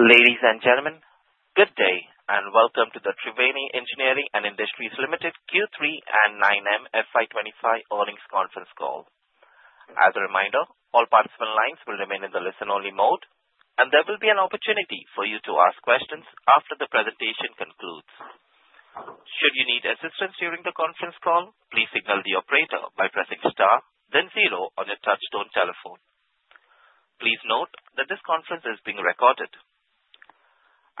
Ladies and gentlemen, good day, and welcome to the Triveni Engineering & Industries Limited Q3 & 9M FY 2025 Earnings Conference Call. As a reminder, all participant lines will remain in the listen-only mode, and there will be an opportunity for you to ask questions after the presentation concludes. Should you need assistance during the conference call, please signal the operator by pressing star, then zero on your touch-tone telephone. Please note that this conference is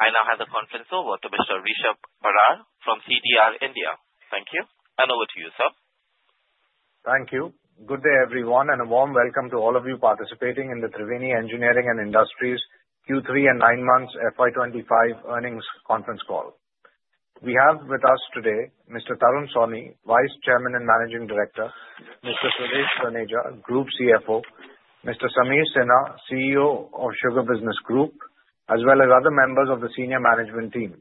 being recorded. I now hand the conference over to Mr. Rishab Barar from CDR India. Thank you, and over to you, sir. Thank you. Good day, everyone, and a warm welcome to all of you participating in the Triveni Engineering & Industries Limited Q3 & 9M FY 2025 Earnings Conference Call. We have with us today Mr. Tarun Sawhney, Vice Chairman and Managing Director, Mr. Suresh Taneja, Group CFO, Mr. Sameer Sinha, CEO of Sugar Business Group, as well as other members of the senior management team.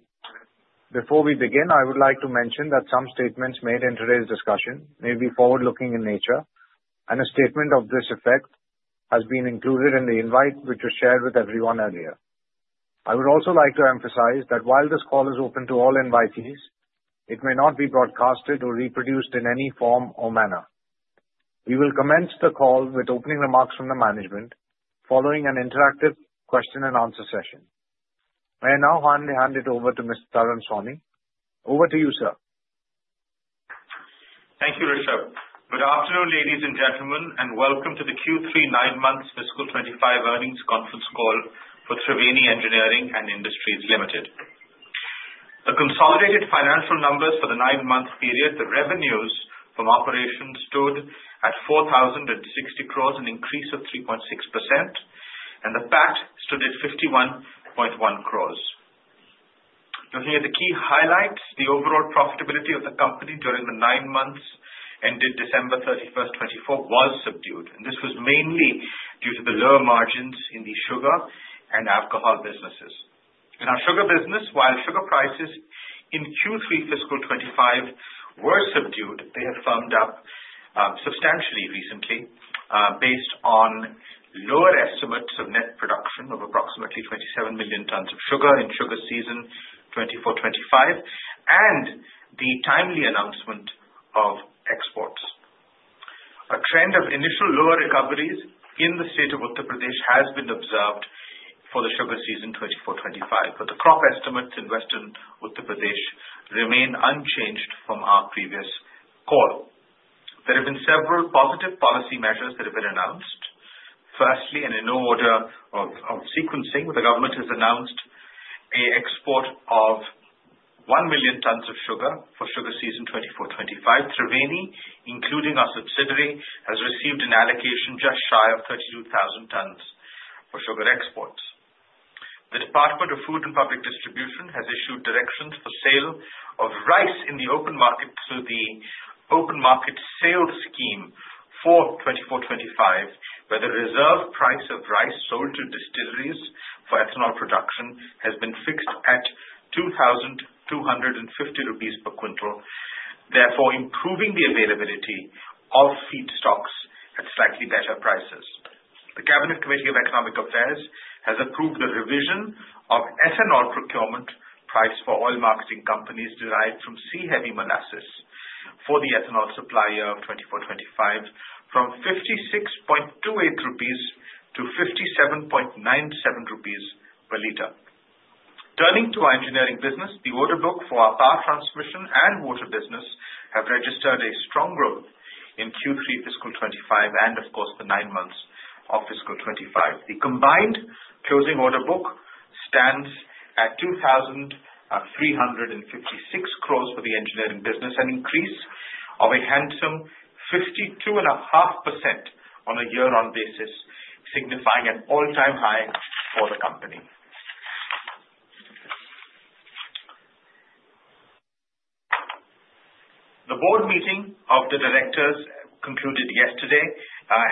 Before we begin, I would like to mention that some statements made in today's discussion may be forward-looking in nature, and a statement of this effect has been included in the invite which was shared with everyone earlier. I would also like to emphasize that while this call is open to all invitees, it may not be broadcasted or reproduced in any form or manner. We will commence the call with opening remarks from the management, following an interactive question-and-answer session. I now hand it over to Mr. Tarun Sawhney. Over to you, sir. Thank you, Rishab. Good afternoon, ladies and gentlemen, and welcome to the Q3 & 9M FY 2025 Earnings Conference Call for Triveni Engineering & Industries Limited. The consolidated financial numbers for the nine-months period, the revenues from operations stood at 4,060 crores, an increase of 3.6%, and the PAT stood at 51.1 crores. Looking at the key highlights, the overall profitability of the company during the nine-months ended December 31, 2024, was subdued, and this was mainly due to the lower margins in the sugar and alcohol businesses. In our sugar business, while sugar prices in Q3 Fiscal 2025 were subdued, they have firmed up substantially recently, based on lower estimates of net production of approximately 27 million tons of sugar in Sugar Season 2024-2025 and the timely announcement of exports. A trend of initial lower recoveries in the state of Uttar Pradesh has been observed for the Sugar Season 2024-2025, but the crop estimates in Western Uttar Pradesh remain unchanged from our previous call. There have been several positive policy measures that have been announced. Firstly, and in no order of sequencing, the government has announced an export of 1 million tons of sugar for Sugar Season 2024-2025. Triveni, including our subsidiary, has received an allocation just shy of 32,000 tons for sugar exports. The Department of Food and Public Distribution has issued directions for sale of rice in the open market through the Open Market Sale Scheme for 2024-2025, where the reserve price of rice sold to distilleries for ethanol production has been fixed at 2,250 rupees per quintal, therefore improving the availability of feedstocks at slightly better prices. The Cabinet Committee on Economic Affairs has approved the revision of ethanol procurement price for oil marketing companies derived from C-Heavy Molasses for the ethanol supply year of 2024-2025 from 56.28 rupees to 57.97 rupees per liter. Turning to our engineering business, the order book for our power transmission and water business has registered a strong growth in Q3 fiscal 2025 and, of course, the nine months of fiscal 2025. The combined closing order book stands at 2,356 crores for the engineering business, an increase of a handsome 52.5% on a year-on-year basis, signifying an all-time high for the company. The board meeting of the directors concluded yesterday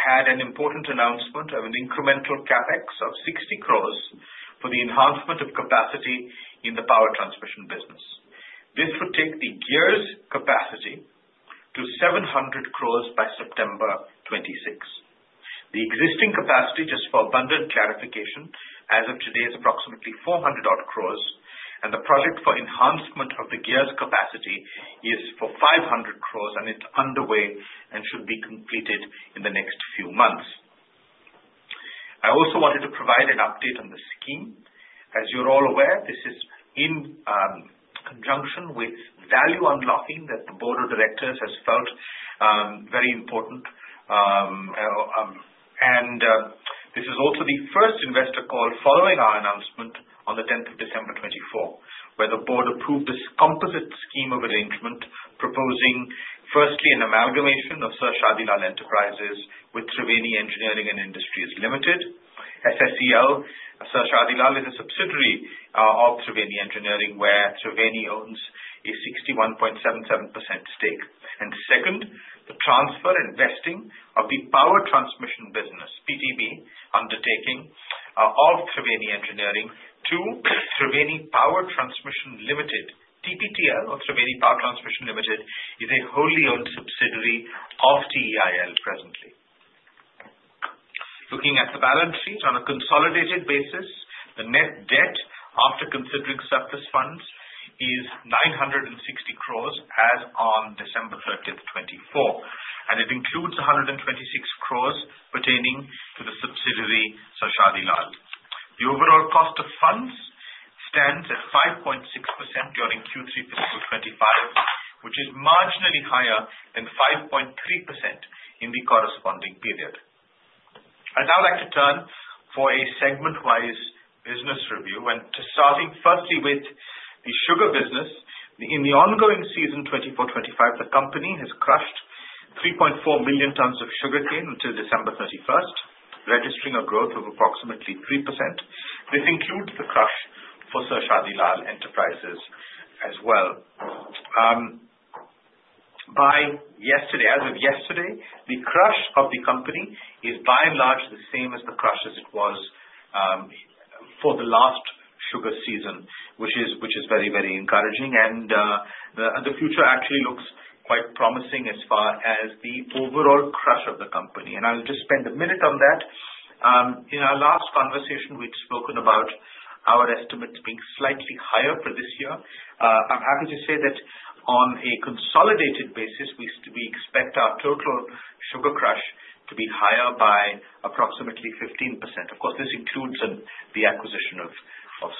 had an important announcement of an incremental CapEx of 60 crores for the enhancement of capacity in the power transmission business. This would take the gears capacity to 700 crores by September 2026. The existing capacity, just for abundant clarification, as of today, is approximately 400 crores, and the project for enhancement of the gears capacity is for 500 crores, and it's underway and should be completed in the next few months. I also wanted to provide an update on the scheme. As you're all aware, this is in conjunction with value unlocking that the board of directors has felt very important, and this is also the first investor call following our announcement on the 10th of December 2024, where the board approved this composite scheme of arrangement, proposing firstly an amalgamation of Sir Shadi Lal Enterprises with Triveni Engineering & Industries Limited, SSEL. Sir Shadi Lal is a subsidiary of Triveni Engineering, where Triveni owns a 61.77% stake. Second, the transfer and vesting of the power transmission business, PTB, undertaking of Triveni Engineering to Triveni Power Transmission Limited, TPTL. Triveni Power Transmission Limited is a wholly owned subsidiary of TEIL presently. Looking at the balance sheet on a consolidated basis, the net-debt after considering surplus funds is 960 crores as on December 30th, 2024, and it includes 126 crores pertaining to the subsidiary Sir Shadi Lal. The overall cost of funds stands at 5.6% during Q3 fiscal 25, which is marginally higher than 5.3% in the corresponding period. I'd now like to turn for a segment-wise business review, starting firstly with the sugar business. In the ongoing season 2024-2025, the company has crushed 3.4 million tons of sugar cane until December 31st, registering a growth of approximately 3%. This includes the crush for Sir Shadi Lal Enterprises as well. By yesterday, as of yesterday, the crush of the company is by and large the same as the crush as it was for the last sugar season, which is very, very encouraging, and the future actually looks quite promising as far as the overall crush of the company. And I'll just spend a minute on that. In our last conversation, we'd spoken about our estimates being slightly higher for this year. I'm happy to say that on a consolidated basis, we expect our total sugar crush to be higher by approximately 15%. Of course, this includes the acquisition of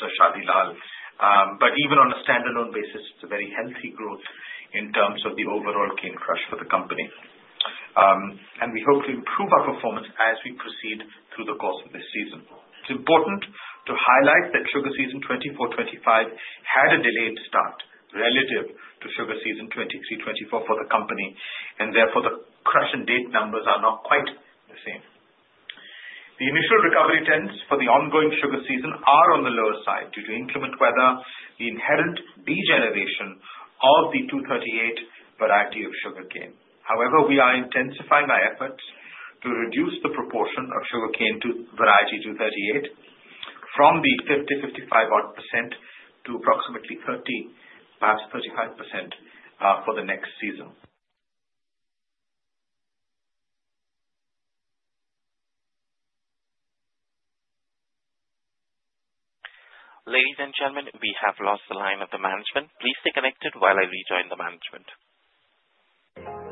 Sir Shadi Lal, but even on a standalone basis, it's a very healthy growth in terms of the overall cane crush for the company, and we hope to improve our performance as we proceed through the course of this season. It's important to highlight that Sugar Season 2024-2025 had a delayed start relative to Sugar Season 2023-2024 for the company, and therefore the crush and recovery numbers are not quite the same. The initial recovery trends for the ongoing sugar season are on the lower side due to inclement weather, the inherent degeneration of the 238 variety of sugarcane. However, we are intensifying our efforts to reduce the proportion of sugarcane variety 238 from the 50%-55% to approximately 30%, perhaps 35% for the next season. Ladies and gentlemen, we have lost the line of the management. Please stay connected while I rejoin the management.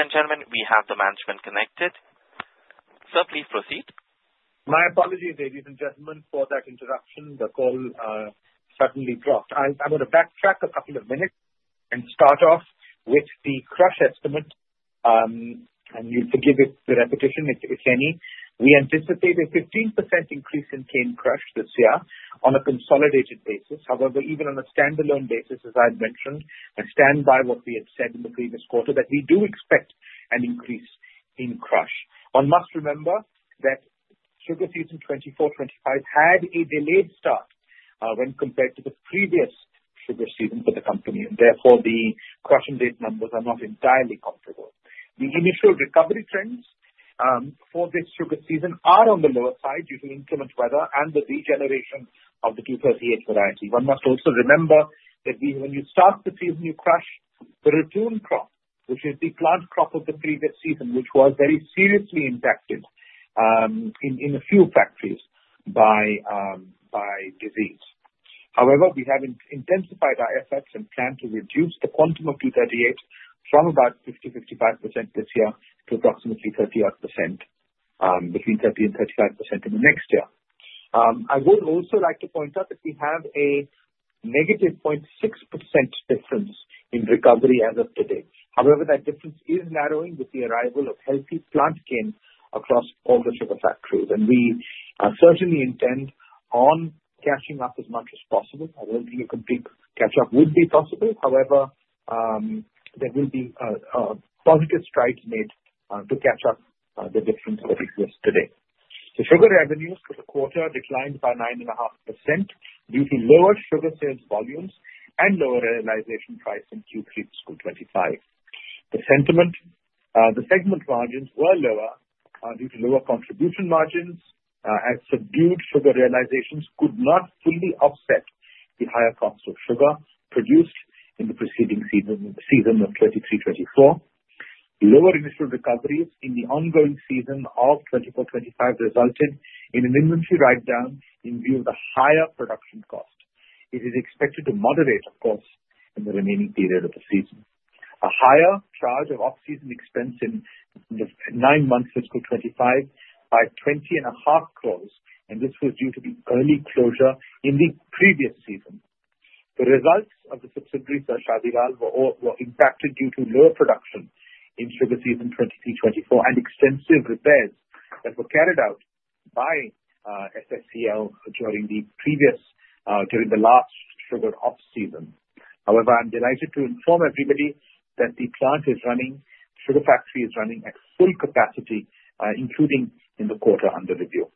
Ladies and gentlemen, we have the management connected, so please proceed. My apologies, ladies and gentlemen, for that interruption. The call suddenly dropped. I'm going to backtrack a couple of minutes and start off with the crush estimate, and you'll forgive the repetition if any. We anticipate a 15% increase in cane crush this year on a consolidated basis. However, even on a standalone basis, as I've mentioned, I stand by what we had said in the previous quarter that we do expect an increase in crush. One must remember that Sugar Season 2024-2025 had a delayed start when compared to the previous sugar season for the company, and therefore the crush and date numbers are not entirely comparable. The initial recovery trends for this sugar season are on the lower side due to inclement weather and the degeneration of the 238 variety. One must also remember that when you start the seasonal crush, the ratoon crop, which is the plant crop of the previous season, which was very seriously impacted in a few factories by disease. However, we have intensified our efforts and plan to reduce the quantum of 238 from about 50%-55% this year to approximately 30%, between 30% and 35% in the next year. I would also like to point out that we have a -0.6% difference in recovery as of today. However, that difference is narrowing with the arrival of healthy plant cane across all the sugar factories, and we certainly intend on catching up as much as possible. I don't think a complete catch-up would be possible. However, there will be positive strides made to catch up the difference that exists today. The sugar revenues for the quarter declined by 9.5% due to lower sugar sales volumes and lower realization price in Q3 fiscal 2025. The segment margins were lower due to lower contribution margins as subdued sugar realizations could not fully offset the higher cost of sugar produced in the preceding season of 2023-2024. Lower initial recoveries in the ongoing season of 2024-2025 resulted in an inventory write-down in view of the higher production cost. It is expected to moderate, of course, in the remaining period of the season. A higher charge of off-season expense in the nine-month fiscal 2025 by 20.5 crores, and this was due to the early closure in the previous season. The results of the subsidiary Sir Shadi Lal were impacted due to lower production in Sugar Season 2023-2024 and extensive repairs that were carried out by SSEL during the last sugar off-season. However, I'm delighted to inform everybody that the plant is running, the sugar factory is running at full capacity, including in the quarter under review.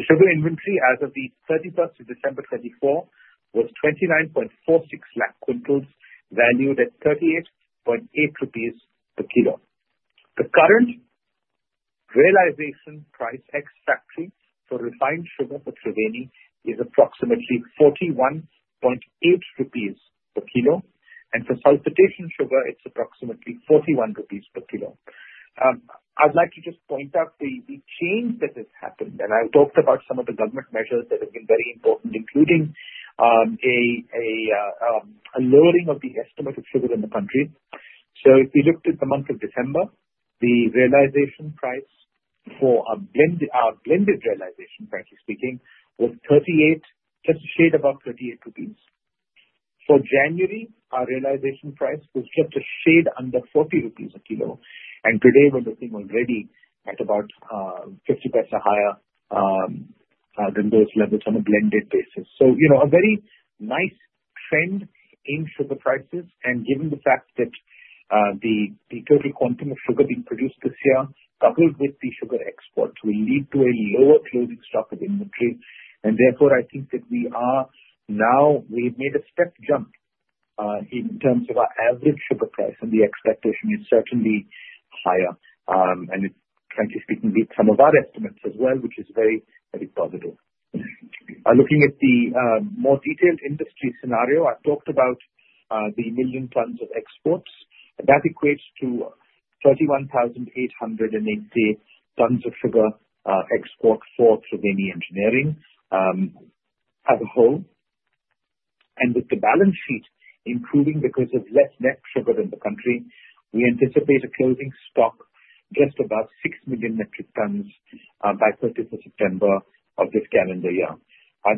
The sugar inventory as of the 31st of December, 2024 was 29.46 lakh quintals, valued at 38.8 rupees per kg. The current realization price ex-factory for refined sugar for Triveni is approximately 41.8 rupees per kg, and for sulphitation sugar, it's approximately 41 rupees per kg. I'd like to just point out the change that has happened, and I've talked about some of the government measures that have been very important, including a lowering of the estimate of sugar in the country. So if we looked at the month of December, the realization price for our blended realization, frankly speaking, was just a shade above 38 rupees. For January, our realization price was just a shade under 40 rupees a kg, and today we're looking already at about 50% higher than those levels on a blended basis. So a very nice trend in sugar prices, and given the fact that the total quantum of sugar being produced this year, coupled with the sugar exports, will lead to a lower closing stock of inventory, and therefore I think that we are now, we've made a step jump in terms of our average sugar price, and the expectation is certainly higher, and frankly speaking, meets some of our estimates as well, which is very, very positive. Looking at the more detailed industry scenario, I've talked about the million tons of exports. That equates to 31,880 tons of sugar export for Triveni Engineering as a whole, and with the balance sheet improving because of less net sugar in the country, we anticipate a closing stock just above 6 million metric tons by 30th of September of this calendar year.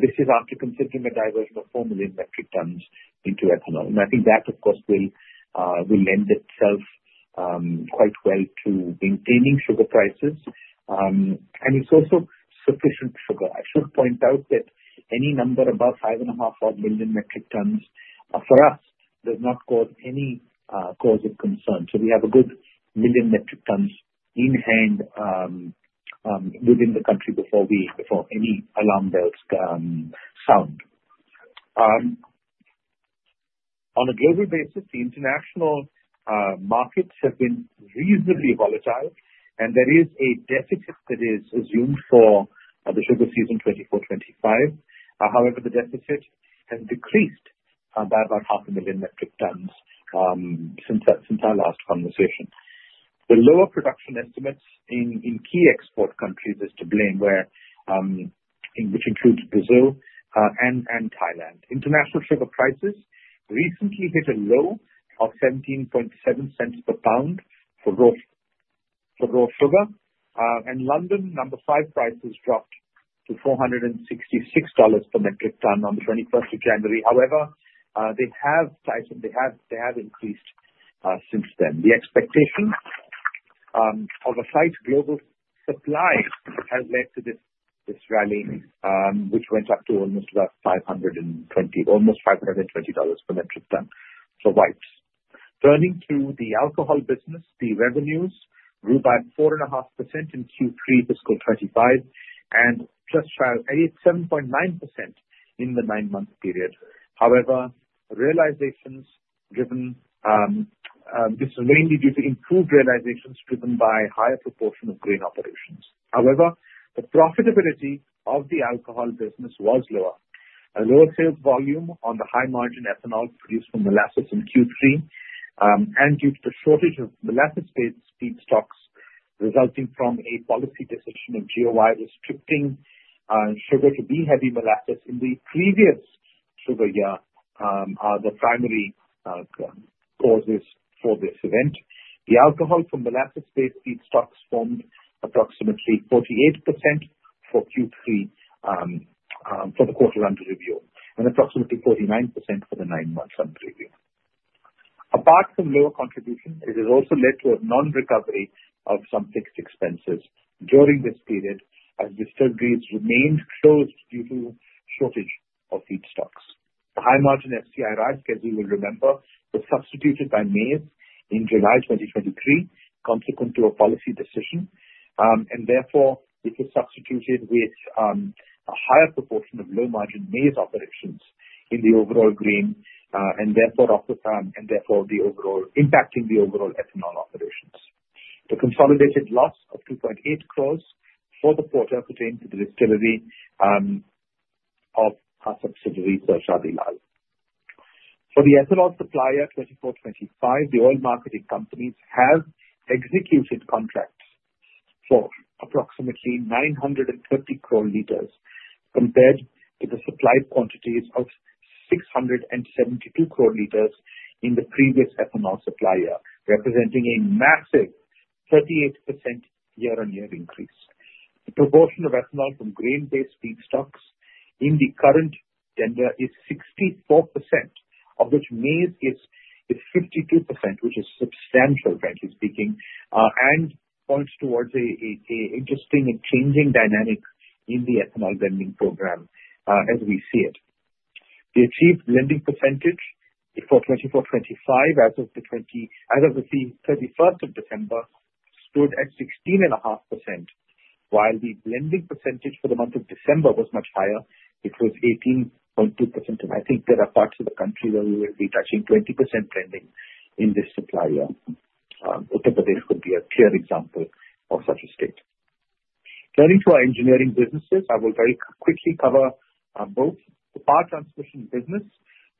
This is after considering a diversion of 4 million metric tons into ethanol, and I think that, of course, will lend itself quite well to maintaining sugar prices, and it's also sufficient sugar. I should point out that any number above 5.5 million metric tons for us does not cause any concern. So we have a good million metric tons in hand within the country before any alarm bells sound. On a global basis, the international markets have been reasonably volatile, and there is a deficit that is assumed for the Sugar Season 2024-2025. However, the deficit has decreased by about 500,000 metric tons since our last conversation. The lower production estimates in key export countries is to blame, which includes Brazil and Thailand. International sugar prices recently hit a low of $0.177 per lb for raw sugar, and London No. 5 prices dropped to $466 per metric ton on the 21st of January. However, they have tightened. They have increased since then. The expectation of a tight global supply has led to this rally, which went up to almost about $520 per metric ton for whites. Turning to the alcohol business, the revenues grew by 4.5% in Q3 fiscal 2025 and just shy of 7.9% in the nine-month period. However, realizations driven this is mainly due to improved realizations driven by a higher proportion of grain operations. However, the profitability of the alcohol business was lower. A lower sales volume on the high-margin ethanol produced from molasses in Q3, and due to the shortage of molasses-based feedstocks resulting from a policy decision of GOI restricting sugar to B-Heavy Molasses in the previous sugar year, are the primary causes for this event. The alcohol from molasses-based feedstocks formed approximately 48% for Q3 for the quarter under review and approximately 49% for the nine-month under review. Apart from lower contribution, it has also led to a non-recovery of some fixed expenses during this period as distillery remained closed due to shortage of feedstocks. The high-margin FCI rice schedule, you will remember, was substituted by maize in July 2023, consequent to a policy decision, and therefore it was substituted with a higher proportion of low-margin maize operations in the overall grain and therefore overall impacting the ethanol operations. The consolidated loss of 2.8 crores for the quarter pertained to the distillery of our subsidiary Sir Shadi Lal. For the ethanol supply year 2024-2025, the oil marketing companies have executed contracts for approximately 930 crore liters compared to the supplied quantities of 672 crore liters in the previous ethanol supply year, representing a massive 38% year-on-year increase. The proportion of ethanol from grain-based feedstocks in the current tender is 64%, of which maize is 52%, which is substantial, frankly speaking, and points towards an interesting and changing dynamic in the Ethanol Blending Program as we see it. The achieved blending percentage for 2024-2025 as of the 31st of December stood at 16.5%, while the blending percentage for the month of December was much higher. It was 18.2%, and I think there are parts of the country where we will be touching 20% blending in this supply year, but this could be a clear example of such a state. Turning to our engineering businesses, I will very quickly cover both. The power transmission business,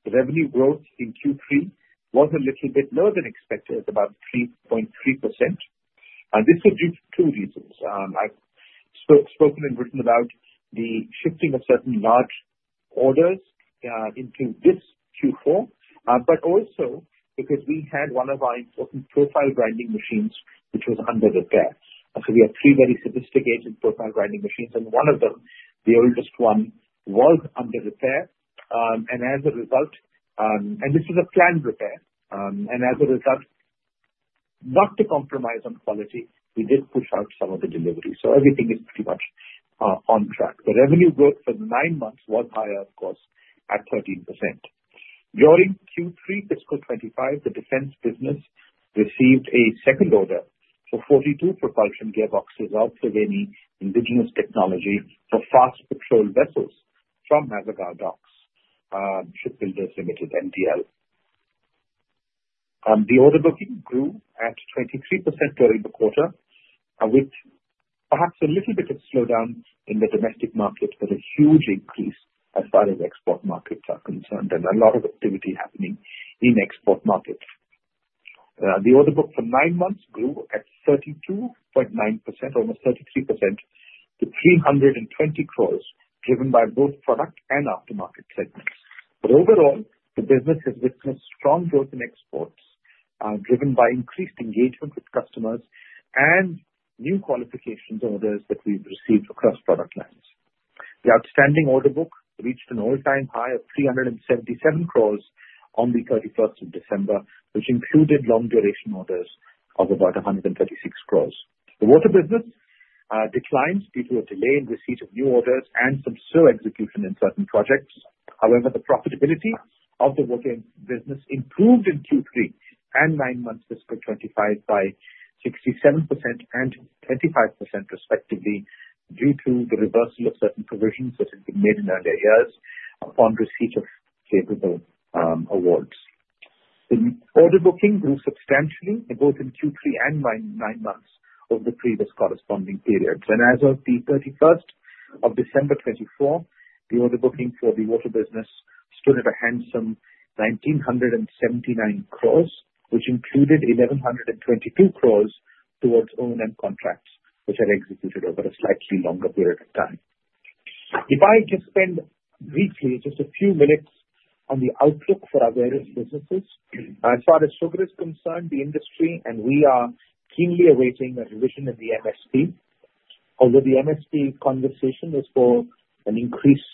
the revenue growth in Q3 was a little bit lower than expected, about 3.3%, and this was due to two reasons. I've spoken earlier about the shifting of certain large orders into this Q4, but also because we had one of our important profile grinding machines, which was under repair. So we have three very sophisticated profile grinding machines, and one of them, the oldest one, was under repair, and as a result, and this was a planned repair, and as a result, not to compromise on quality, we did push out some of the deliveries. So everything is pretty much on track. The revenue growth for the nine months was higher, of course, at 13%. During Q3 fiscal 2025, the defense business received a second order for 42 propulsion gearboxes of Triveni indigenous technology for fast patrol vessels from Mazagon Dock Shipbuilders Limited, MDL. The order booking grew at 23% during the quarter, with perhaps a little bit of slowdown in the domestic market, but a huge increase as far as export markets are concerned, and a lot of activity happening in export markets. The order book for nine months grew at 32.9%, almost 33%, to 320 crores, driven by both product and aftermarket segments. But overall, the business has witnessed strong growth in exports driven by increased engagement with customers and new qualifications orders that we've received across product lines. The outstanding order book reached an all-time high of 377 crores on the 31st of December, which included long-duration orders of about 136 crores. The water business declined due to a delay in receipt of new orders and some slow execution in certain projects. However, the profitability of the water business improved in Q3 and nine months fiscal 2025 by 67% and 25%, respectively, due to the reversal of certain provisions that have been made in earlier years upon receipt of favorable awards. The order booking grew substantially both in Q3 and nine months of the previous corresponding period, and as of the 31st of December 2024, the order booking for the water business stood at a handsome 1,979 crores, which included 1,122 crores towards O&M contracts, which are executed over a slightly longer period of time. If I just spend briefly just a few minutes on the outlook for our various businesses, as far as sugar is concerned, the industry and we are keenly awaiting a revision in the MSP. Although the MSP conversation is for an increase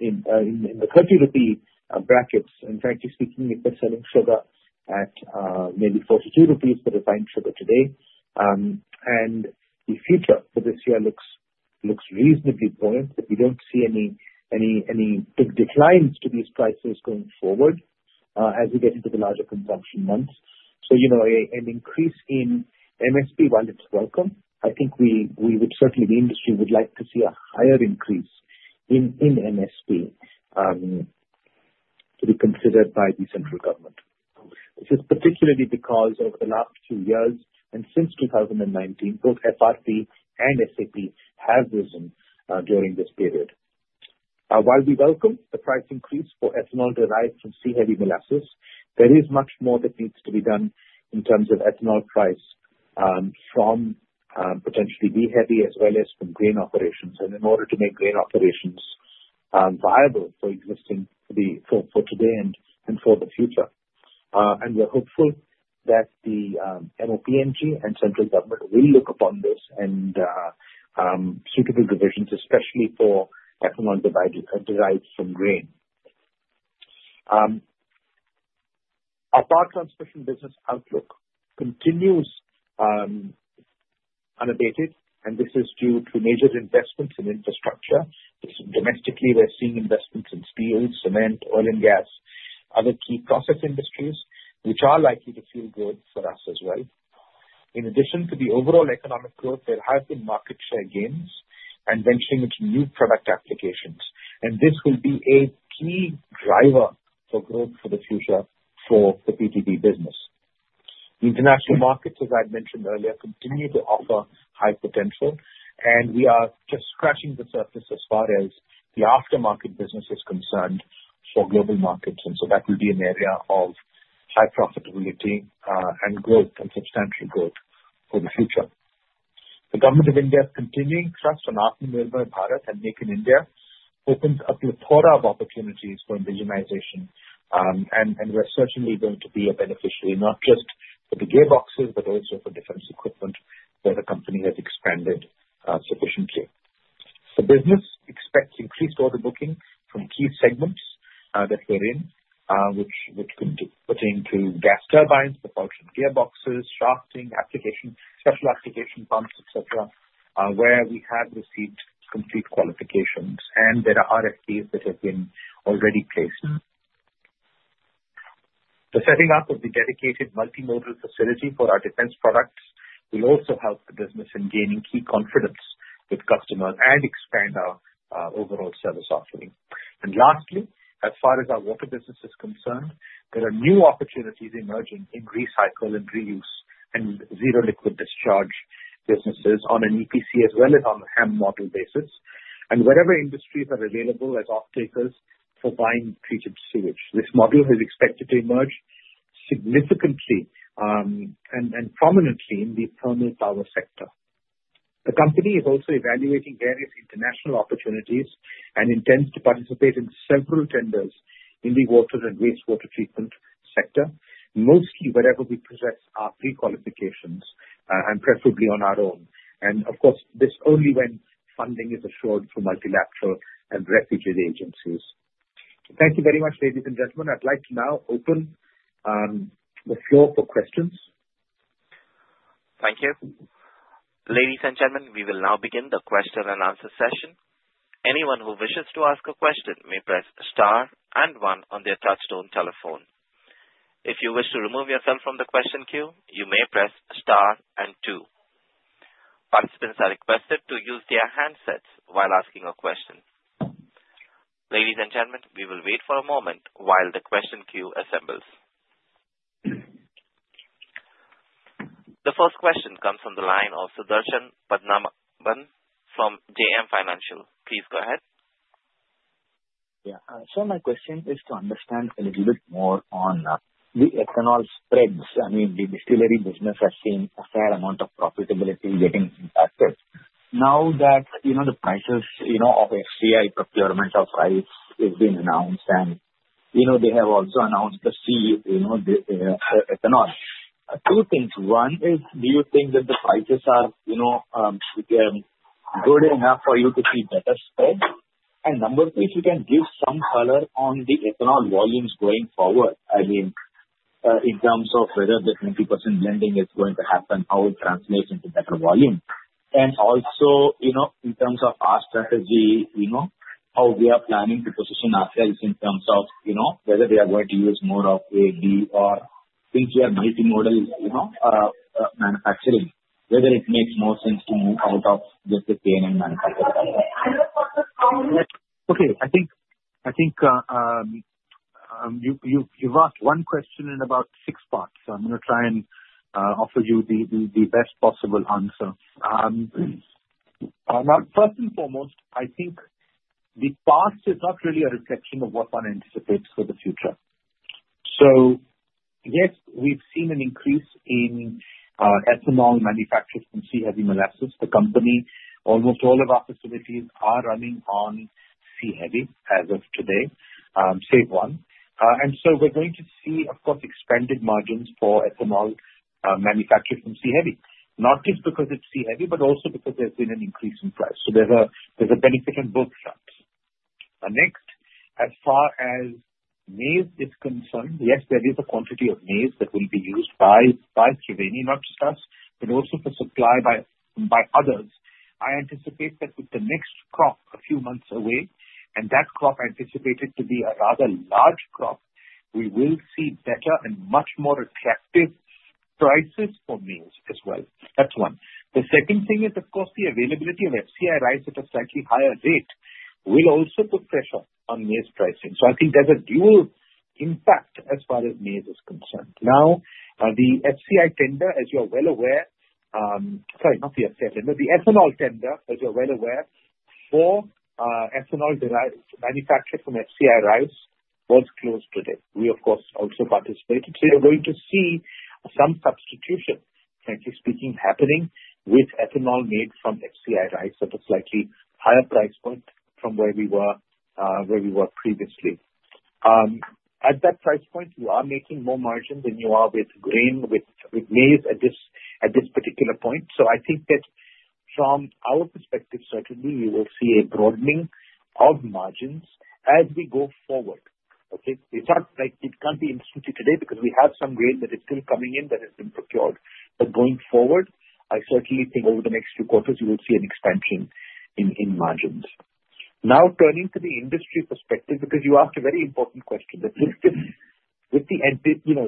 in the 30 rupee brackets, and frankly speaking, if we're selling sugar at maybe 42 rupees for refined sugar today, and the future for this year looks reasonably buoyant, but we don't see any declines to these prices going forward as we get into the larger consumption months, so an increase in MSP, while it's welcome, I think we would certainly, the industry would like to see a higher increase in MSP to be considered by the central government. This is particularly because over the last few years and since 2019, both FRP and SAP have risen during this period. While we welcome the price increase for ethanol derived from C-Heavy Molasses, there is much more that needs to be done in terms of ethanol price from potentially B-Heavy as well as from grain operations, and in order to make grain operations viable for today and for the future. And we're hopeful that the MoPNG and central government will look upon this and suitable provisions, especially for ethanol derived from grain. Our power transmission business outlook continues unabated, and this is due to major investments in infrastructure. Domestically, we're seeing investments in steel, cement, oil and gas, other key process industries, which are likely to be good for us as well. In addition to the overall economic growth, there have been market share gains and venturing into new product applications, and this will be a key driver for growth for the future for the PTB business. International markets, as I've mentioned earlier, continue to offer high potential, and we are just scratching the surface as far as the aftermarket business is concerned for global markets, and so that will be an area of high profitability and growth and substantial growth for the future. The Government of India's continuing trust on Atmanirbhar Bharat and Make in India opens up a plethora of opportunities for indigenization, and we're certainly going to be a beneficiary, not just for the gearboxes but also for defense equipment where the company has expanded sufficiently. The business expects increased order booking from key segments that we're in, which pertain to gas turbines, propulsion gearboxes, shafting, special application pumps, etc., where we have received complete qualifications, and there are RFPs that have been already placed. The setting up of the dedicated multimodal facility for our defense products will also help the business in gaining key confidence with customers and expand our overall service offering. And lastly, as far as our water business is concerned, there are new opportunities emerging in recycle and reuse and Zero Liquid Discharge businesses on an EPC as well as on a HAM model basis, and whatever industries are available as off-takers for buying treated sewage. This model is expected to emerge significantly and prominently in the thermal power sector. The company is also evaluating various international opportunities and intends to participate in several tenders in the water and wastewater treatment sector, mostly wherever we possess our pre-qualifications and preferably on our own. And of course, this only when funding is assured through multilateral and bilateral agencies. Thank you very much, ladies and gentlemen. I'd like to now open the floor for questions. Thank you. Ladies and gentlemen, we will now begin the question-and-answer session. Anyone who wishes to ask a question may press star and one on their touchtone telephone. If you wish to remove yourself from the question queue, you may press star and two. Participants are requested to use their handsets while asking a question. Ladies and gentlemen, we will wait for a moment while the question queue assembles. The first question comes from the line of Sudarshan Padmanabhan from JM Financial. Please go ahead. Yeah. So my question is to understand a little bit more on the ethanol spreads. I mean, the distillery business has seen a fair amount of profitability getting impacted. Now that the prices of FCI procurement of rice have been announced, and they have also announced the CCEA ethanol. Two things. One is, do you think that the prices are good enough for you to see better spread? And number two, if you can give some color on the ethanol volumes going forward, I mean, in terms of whether the 20% blending is going to happen, how it translates into better volume. And also, in terms of our strategy, how we are planning to position ourselves in terms of whether we are going to use more of AB or think we are multimodal manufacturing, whether it makes more sense to move out of just the cane manufacturing company. Okay. I think you've asked one question in about six parts, so I'm going to try and offer you the best possible answer. First and foremost, I think the past is not really a reflection of what one anticipates for the future. So yes, we've seen an increase in ethanol manufactured from C-Heavy Molasses. Almost all of our facilities are running on C-Heavy as of today, save one. And so we're going to see, of course, expanded margins for ethanol manufactured from C-Heavy, not just because it's C-Heavy, but also because there's been an increase in price. So there's a benefit on both fronts. Next, as far as maize is concerned, yes, there is a quantity of maize that will be used by Triveni, not just us, but also for supply by others. I anticipate that with the next crop a few months away, and that crop anticipated to be a rather large crop, we will see better and much more attractive prices for maize as well. That's one. The second thing is, of course, the availability of FCI rice at a slightly higher rate will also put pressure on maize pricing. So I think there's a dual impact as far as maize is concerned. Now, the FCI tender, as you're well aware—sorry, not the FCI tender, the ethanol tender, as you're well aware, for ethanol manufactured from FCI rice was closed today. We, of course, also participated. So you're going to see some substitution, frankly speaking, happening with ethanol made from FCI rice at a slightly higher price point from where we were previously. At that price point, you are making more margin than you are with grain, with maize at this particular point. So I think that from our perspective, certainly, we will see a broadening of margins as we go forward. Okay? It can't be instituted today because we have some grain that is still coming in that has been procured. Going forward, I certainly think over the next few quarters, you will see an expansion in margins. Now, turning to the industry perspective, because you asked a very important question, the industry anticipated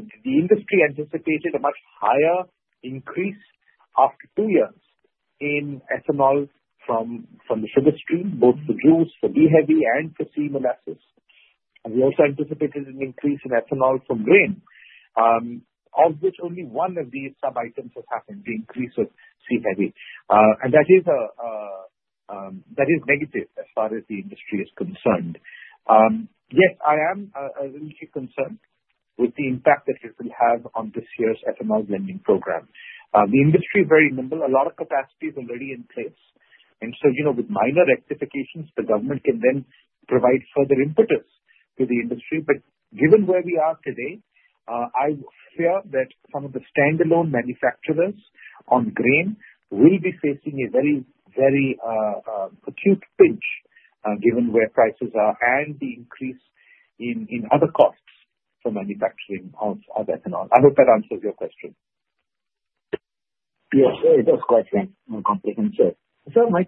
a much higher increase after two years in ethanol from the sugar stream, both for juice, for B-Heavy, and for C-Molasses. And we also anticipated an increase in ethanol from grain. Of this, only one of these sub-items has happened, the increase of C-Heavy. And that is negative as far as the industry is concerned. Yes, I am a little bit concerned with the impact that it will have on this year's Ethanol Blending Program. The industry is very nimble. A lot of capacity is already in place. And so with minor rectifications, the government can then provide further impetus to the industry. But given where we are today, I fear that some of the standalone manufacturers on grain will be facing a very, very acute pinch given where prices are and the increase in other costs for manufacturing of ethanol. I hope that answers your question. Yes, it does quite well and comprehensive. Sir, my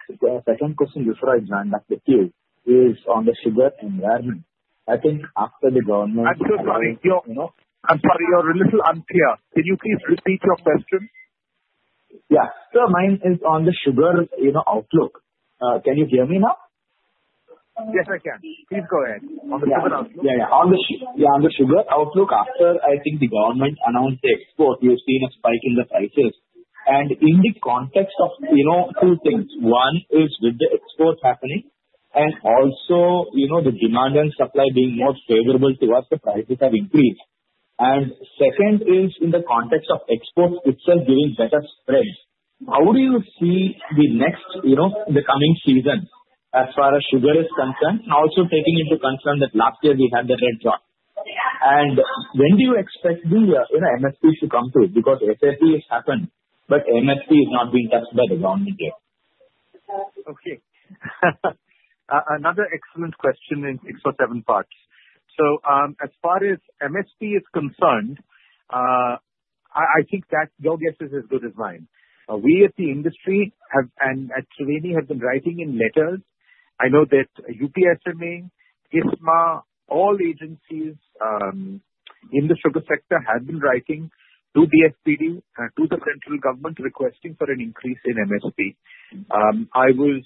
second question before I join back the queue is on the sugar environment. I think after the government. I'm so sorry. I'm sorry, you're a little unclear. Can you please repeat your question? Yeah. Sir, mine is on the sugar outlook. Can you hear me now? Yes, I can. Please go ahead. On the sugar outlook. Yeah, yeah. On the sugar outlook, after I think the government announced the export, we have seen a spike in the prices. And in the context of two things. One is with the exports happening and also the demand and supply being more favorable to us, the prices have increased. And second is in the context of exports itself giving better spreads. How do you see the next coming season as far as sugar is concerned? And also taking into concern that last year we had the red rot. And when do you expect the MSPs to come to it? Because SAP has happened, but MSP is not being touched by the government yet. Okay. Another excellent question in six or seven parts. So as far as MSP is concerned, I think that your guess is as good as mine. We at the industry and at Triveni have been writing in letters. I know that UPSMA, ISMA, all agencies in the sugar sector have been writing to the DFPD, to the central government, requesting for an increase in MSP. I was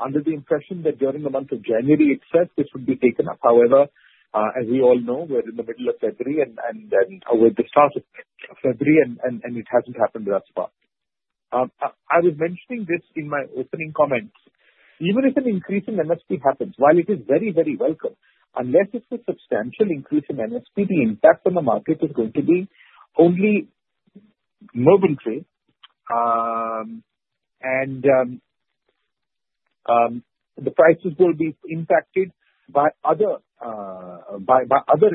under the impression that during the month of January, itself, this would be taken up. However, as we all know, we're in the middle of February and with the start of February, and it hasn't happened thus far. I was mentioning this in my opening comments. Even if an increase in MSP happens, while it is very, very welcome, unless it's a substantial increase in MSP, the impact on the market is going to be only momentary, and the prices will be impacted by other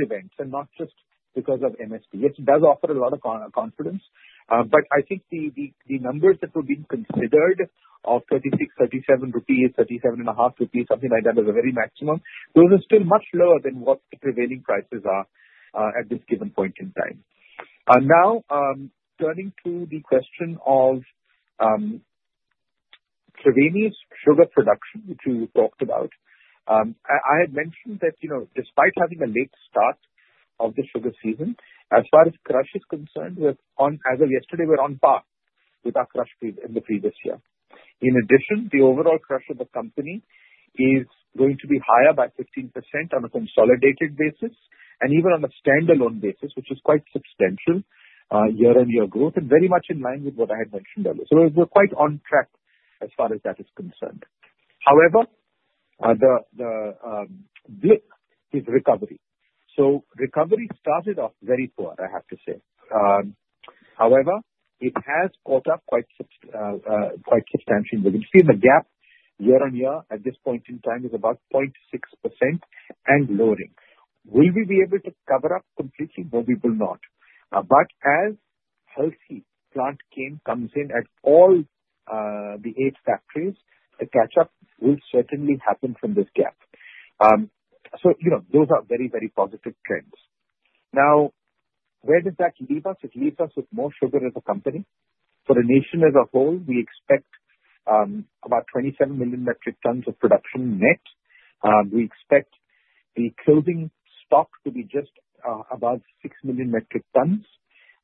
events and not just because of MSP. It does offer a lot of confidence, but I think the numbers that were being considered of 36, 37 rupees, 37.5 rupees, something like that as a very maximum, those are still much lower than what the prevailing prices are at this given point in time. Now, turning to the question of Triveni's sugar production, which you talked about, I had mentioned that despite having a late start of the Sugar Season, as far as crush is concerned, as of yesterday, we're on par with our crush in the previous year. In addition, the overall crush of the company is going to be higher by 15% on a consolidated basis and even on a standalone basis, which is quite substantial year-on-year growth and very much in line with what I had mentioned earlier. So we're quite on track as far as that is concerned. However, the blip is recovery. So recovery started off very poor, I have to say. However, it has caught up quite substantially. We can see the gap year-on-year at this point in time is about 0.6% and lowering. Will we be able to cover up completely? No, we will not. As healthy plant comes in at all the eight factories, the catch-up will certainly happen from this gap. So those are very, very positive trends. Now, where does that leave us? It leaves us with more sugar as a company. For the nation as a whole, we expect about 27 million metric tons of production net. We expect the closing stock to be just about 6 million metric tons,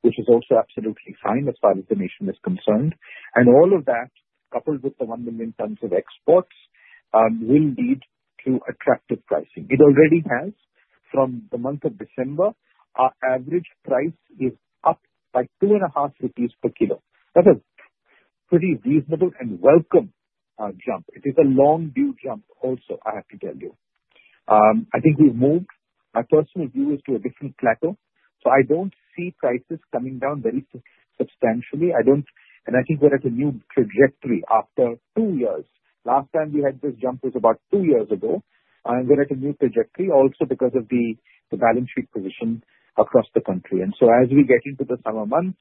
which is also absolutely fine as far as the nation is concerned. And all of that, coupled with the 1 million tons of exports, will lead to attractive pricing. It already has. From the month of December, our average price is up by 2.5 rupees per kg. That is a pretty reasonable and welcome jump. It is a long-overdue jump also, I have to tell you. I think we've moved. My personal view is to a different plateau. So I don't see prices coming down very substantially. And I think we're at a new trajectory after two years. Last time we had this jump was about two years ago. We're at a new trajectory also because of the balance sheet position across the country. And so as we get into the summer months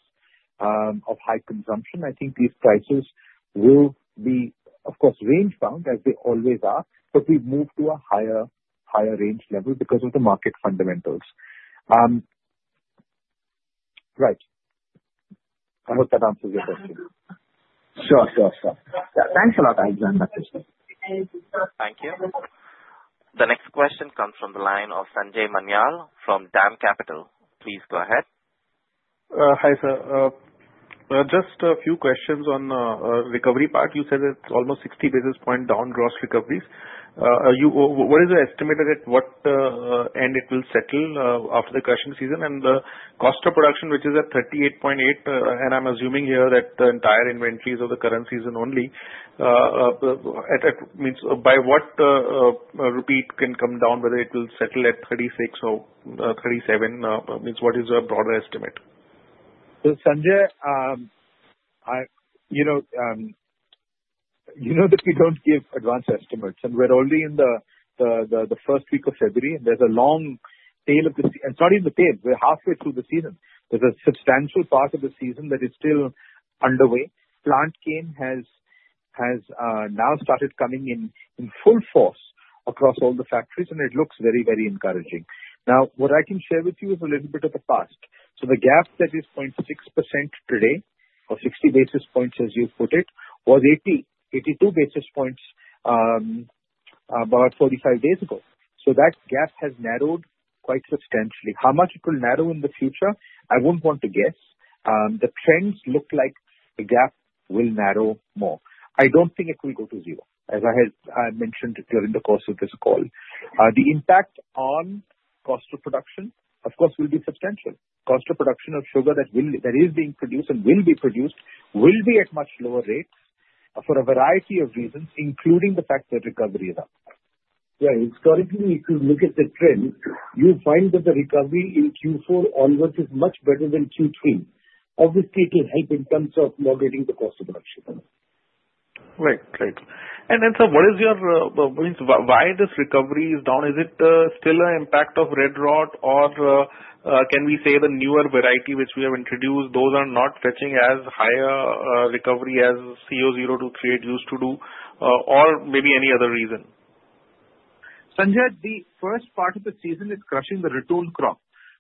of high consumption, I think these prices will be, of course, range-bound as they always are, but we've moved to a higher range level because of the market fundamentals. Right. I hope that answers your question. Sure, sure, sure. Thanks a lot. Thank you. The next question comes from the line of Sanjay Manyal from DAM Capital. Please go ahead. Hi, sir. Just a few questions on recovery part. You said it's almost 60 basis points down gross recoveries. What is the estimate at what end it will settle after the crushing season? And the cost of production, which is at 38.8, and I'm assuming here that the entire inventory is of the current season only. By what rate can it come down whether it will settle at 36 or 37? What is your broader estimate? So Sanjay, you know that we don't give advanced estimates, and we're only in the first week of February. There's a long tail of the season, and sorry, the tail. We're halfway through the season. There's a substantial part of the season that is still underway. Plant cane has now started coming in full force across all the factories, and it looks very, very encouraging. Now, what I can share with you is a little bit of the past. So the gap that is 0.6% today, or 60 basis points as you put it, was 82 basis points about 45 days ago. So that gap has narrowed quite substantially. How much it will narrow in the future, I wouldn't want to guess? The trends look like the gap will narrow more. I don't think it will go to zero, as I mentioned during the course of this call. The impact on cost of production, of course, will be substantial. Cost of production of sugar that is being produced and will be produced will be at much lower rates for a variety of reasons, including the fact that recovery is up. Yeah. Currently, if you look at the trend, you find that the recovery in Q4 onwards is much better than Q3. Obviously, it will help in terms of moderating the cost of production. Right, right. Then, sir, what is your—why this recovery is down? Is it still an impact of red rot, or can we say the newer variety which we have introduced, those are not fetching as higher recovery as Co 0238 used to do, or maybe any other reason? Sanjay, the first part of the season is crushing the ratoon crop.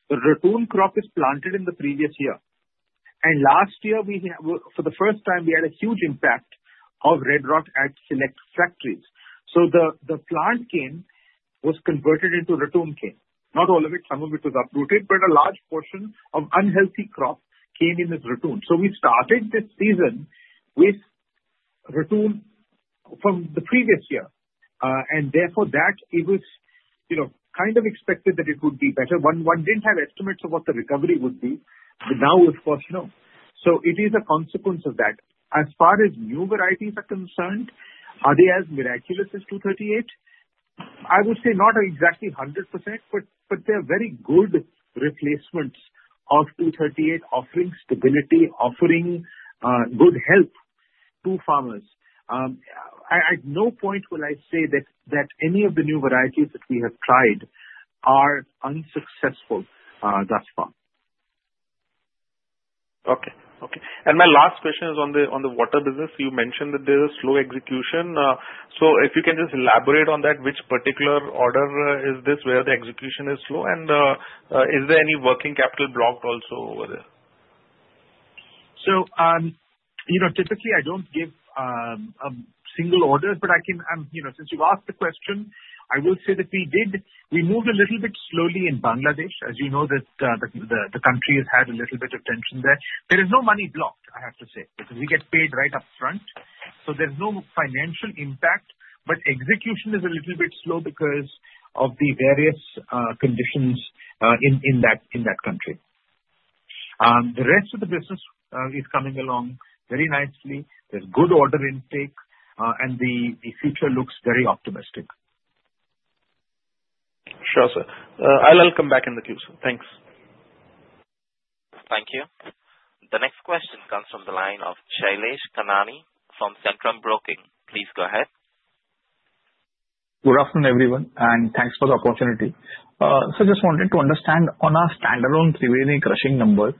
The ratoon crop is planted in the previous year. And last year, for the first time, we had a huge impact of red rot at select factories. So the plant cane was converted into ratoon cane. Not all of it, some of it was uprooted, but a large portion of unhealthy crop came in as ratoon. So we started this season with ratoon from the previous year. And therefore, it was kind of expected that it would be better. One didn't have estimates of what the recovery would be, but now, of course, no. So it is a consequence of that. As far as new varieties are concerned, are they as miraculous as 238? I would say not exactly 100%, but they're very good replacements of 238, offering stability, offering good health to farmers. At no point will I say that any of the new varieties that we have tried are unsuccessful thus far. Okay, okay. And my last question is on the water business. You mentioned that there's a slow execution. So if you can just elaborate on that, which particular order is this where the execution is slow? And is there any working capital blocked also over there? So typically, I don't give a single order, but since you've asked the question, I will say that we moved a little bit slowly in Bangladesh. As you know, the country has had a little bit of tension there. There is no money blocked, I have to say, because we get paid right up front. So there's no financial impact, but execution is a little bit slow because of the various conditions in that country. The rest of the business is coming along very nicely. There's good order intake, and the future looks very optimistic. Sure, sir. I'll come back in the queue, sir. Thanks. Thank you. The next question comes from the line of Shailesh Kanani from Centrum Broking. Please go ahead. Good afternoon, everyone, and thanks for the opportunity. Sir, just wanted to understand on our standalone Triveni crushing number.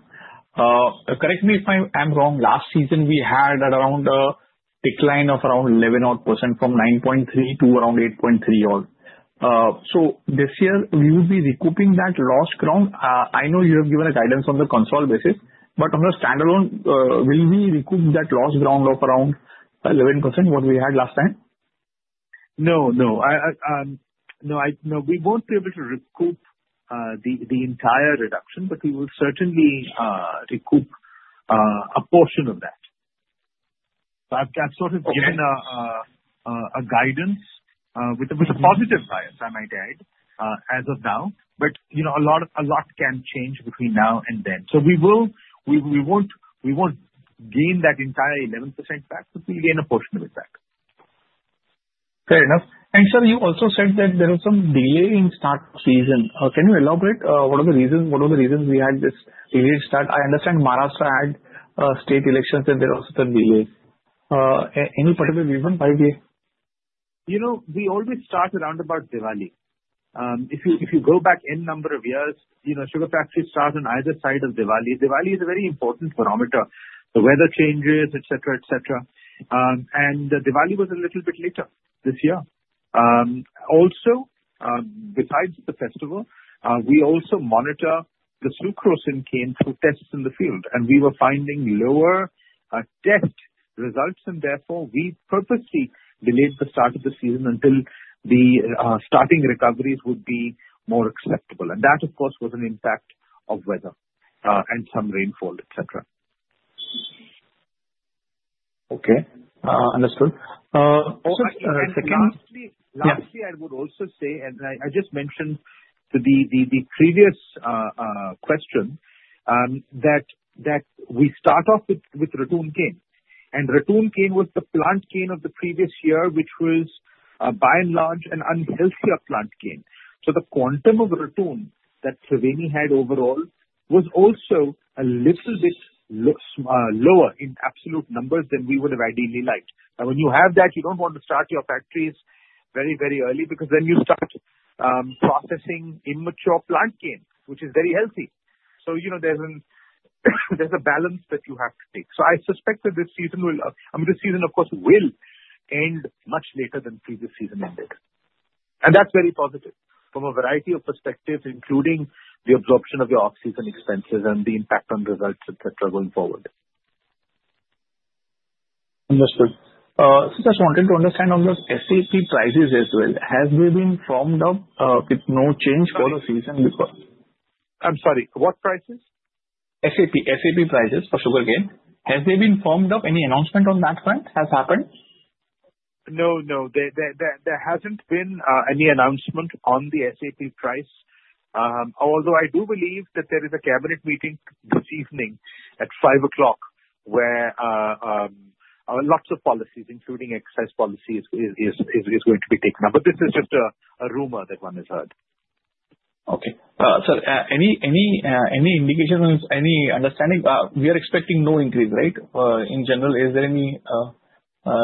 Correct me if I'm wrong. Last season, we had around a decline of around 11% odd from 9.3% to around 8.3% odd. So this year, we will be recouping that lost ground. I know you have given a guidance on the consolidation, but on the standalone, will we recoup that lost ground of around 11% what we had last time? No, no. No, we won't be able to recoup the entire reduction, but we will certainly recoup a portion of that. I've sort of given a guidance with a positive bias, I might add, as of now, but a lot can change between now and then. So we won't gain that entire 11% back, but we'll gain a portion of it back. Fair enough. And sir, you also said that there was some delay in start season. Can you elaborate? What are the reasons we had this delayed start? I understand Maharashtra had state elections, and there were some delays. Any particular reason why we. We always start around about Diwali. If you go back n number of years, sugar factories start on either side of Diwali. Diwali is a very important barometer. The weather changes, etc., etc. Diwali was a little bit later this year. Also, besides the festival, we also monitor the sucrose in cane through tests in the field, and we were finding lower test results, and therefore, we purposely delayed the start of the season until the starting recoveries would be more acceptable. That, of course, was an impact of weather and some rainfall, etc. Okay. Understood. Lastly, I would also say, and I just mentioned to the previous question that we start off with ratoon cane. Ratoon cane was the plant cane of the previous year, which was by and large an unhealthier plant cane. The quantum of ratoon that Triveni had overall was also a little bit lower in absolute numbers than we would have ideally liked. When you have that, you don't want to start your factories very, very early because then you start processing immature plant cane, which is very healthy. There's a balance that you have to take. I suspect that this season will, I mean, this season, of course, will end much later than previous season ended. That's very positive from a variety of perspectives, including the absorption of your off-season expenses and the impact on results, etc., going forward. Understood. Just wanted to understand on the SAP prices as well. Have they been formed up with no change for the season before? I'm sorry. What prices? SAP. SAP prices for sugarcane. Has there been formed up any announcement on that front? Has happened? No, no. There hasn't been any announcement on the SAP price. Although I do believe that there is a cabinet meeting this evening at 5 o'clock. where lots of policies, including excise policies, are going to be taken up. But this is just a rumor that one has heard. Okay. So any indications, any understanding? We are expecting no increase, right? In general, is there any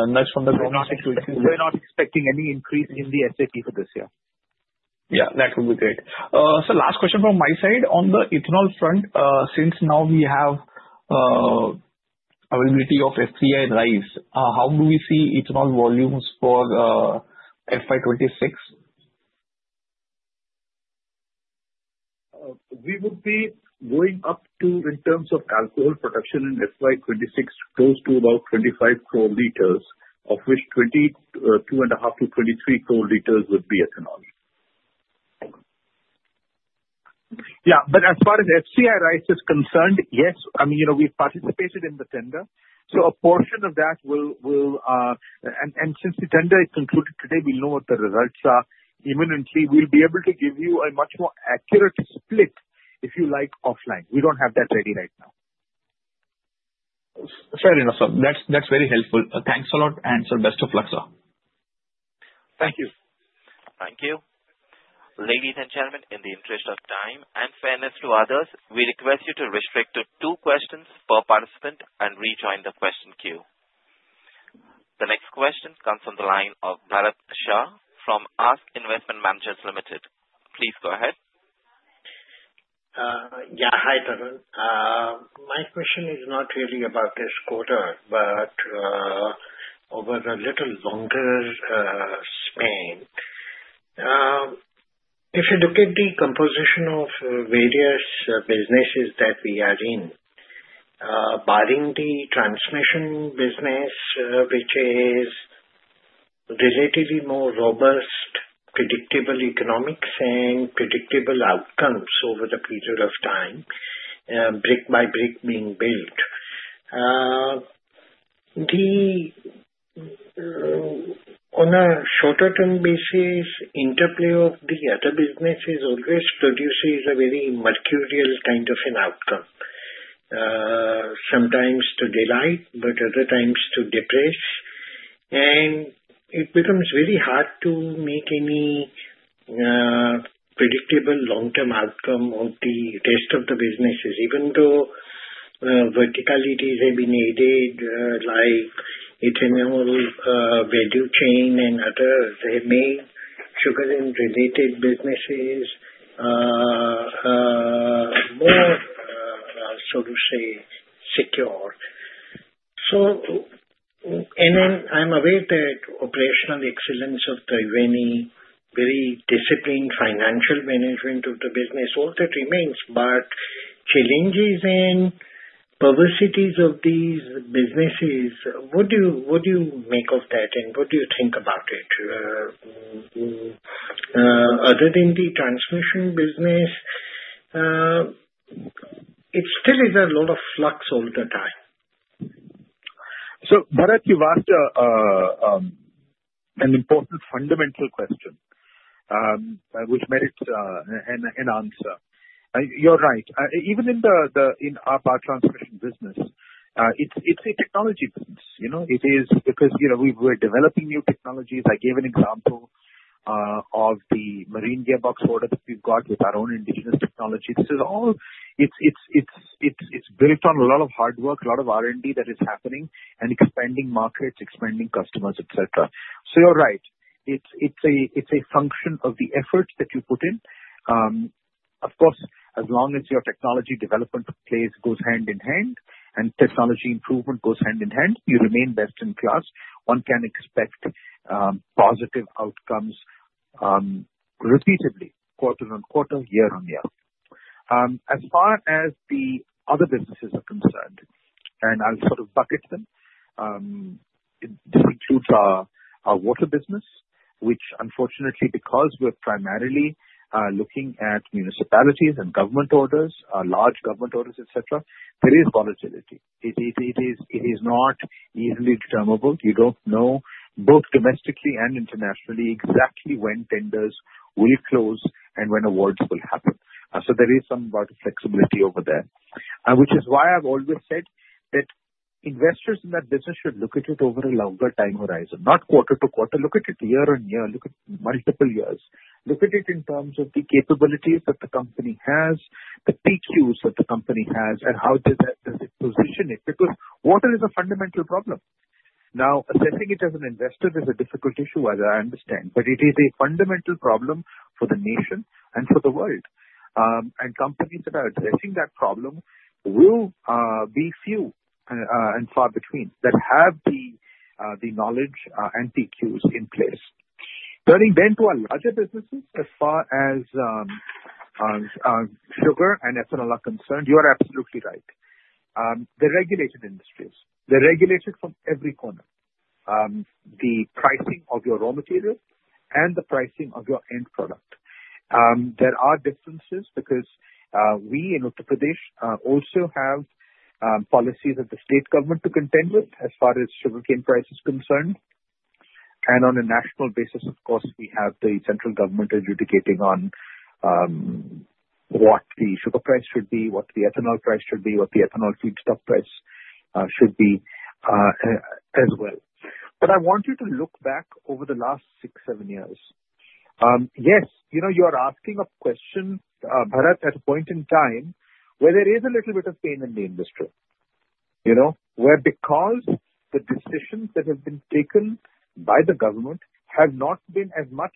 nudge from the government? We're not expecting any increase in the SAP for this year. Yeah, that would be great. So last question from my side. On the ethanol front, since now we have availability of FCI rice, how do we see ethanol volumes for FY 2026? We would be going up to, in terms of alcohol production in FY 2026, close to about 25 crore liters, of which 22.5-23 crore liters would be ethanol. Yeah, but as far as FCI rice is concerned, yes. I mean, we've participated in the tender. So a portion of that will—and since the tender is concluded today, we'll know what the results are imminently. We'll be able to give you a much more accurate split, if you like, offline. We don't have that ready right now. Fair enough. That's very helpful. Thanks a lot, and sir, best of luck, sir. Thank you. Thank you. Ladies and gentlemen, in the interest of time and fairness to others, we request you to restrict to two questions per participant and rejoin the question queue. The next question comes from the line of Bharat Shah from ASK Investment Managers Limited. Please go ahead. Yeah, hi, Tarun. My question is not really about sugar, but over a little longer span. If you look at the composition of various businesses that we are in, barring the transmission business, which is relatively more robust, predictable economics, and predictable outcomes over the period of time, brick-by-brick being built, on a shorter-term basis, interplay of the other businesses always produces a very mercurial kind of an outcome, sometimes to delight, but other times to depress, and it becomes very hard to make any predictable long-term outcome of the rest of the businesses, even though verticalities have been added like ethanol, value chain, and others. They made sugar and related businesses more, so to say, secure, and then I'm aware that operational excellence of Triveni, very disciplined financial management of the business, all that remains, but challenges and perversities of these businesses, what do you make of that, and what do you think about it? Other than the transmission business, it still is a lot of flux all the time. So, Bharat, you've asked an important fundamental question which merits an answer. You're right. Even in our power transmission business, it's a technology business. It is because we're developing new technologies. I gave an example of the Marine Gearbox order that we've got with our own indigenous technology. This is all. It's built on a lot of hard work, a lot of R&D that is happening, and expanding markets, expanding customers, etc. So you're right. It's a function of the efforts that you put in. Of course, as long as your technology development goes hand in hand and technology improvement goes hand in hand, you remain best in class. One can expect positive outcomes repeatedly, quarter-on-quarter, year-on-year. As far as the other businesses are concerned, and I'll sort of bucket them, this includes our water business, which, unfortunately, because we're primarily looking at municipalities and government orders, large government orders, etc., there is volatility. It is not easily determinable. You don't know both domestically and internationally exactly when tenders will close and when awards will happen. So there is some flexibility over there, which is why I've always said that investors in that business should look at it over a longer time horizon, not quarter-to-quarter. Look at it year-on-year. Look at multiple years. Look at it in terms of the capabilities that the company has, the PQs that the company has, and how does it position it. Because water is a fundamental problem. Now, assessing it as an investor is a difficult issue, as I understand, but it is a fundamental problem for the nation and for the world. And companies that are addressing that problem will be few and far between that have the knowledge and PQs in place. Turning then to our larger businesses, as far as sugar and ethanol are concerned, you are absolutely right. The regulated industries, they're regulated from every corner. The pricing of your raw material and the pricing of your end product. There are differences because we in Uttar Pradesh also have policies of the state government to contend with as far as sugarcane price is concerned. And on a national basis, of course, we have the central government adjudicating on what the sugar price should be, what the ethanol price should be, what the ethanol feedstock price should be as well. But I want you to look back over the last six, seven years. Yes, you are asking a question, Bharat, at a point in time where there is a little bit of pain in the industry, where because the decisions that have been taken by the government have not been as much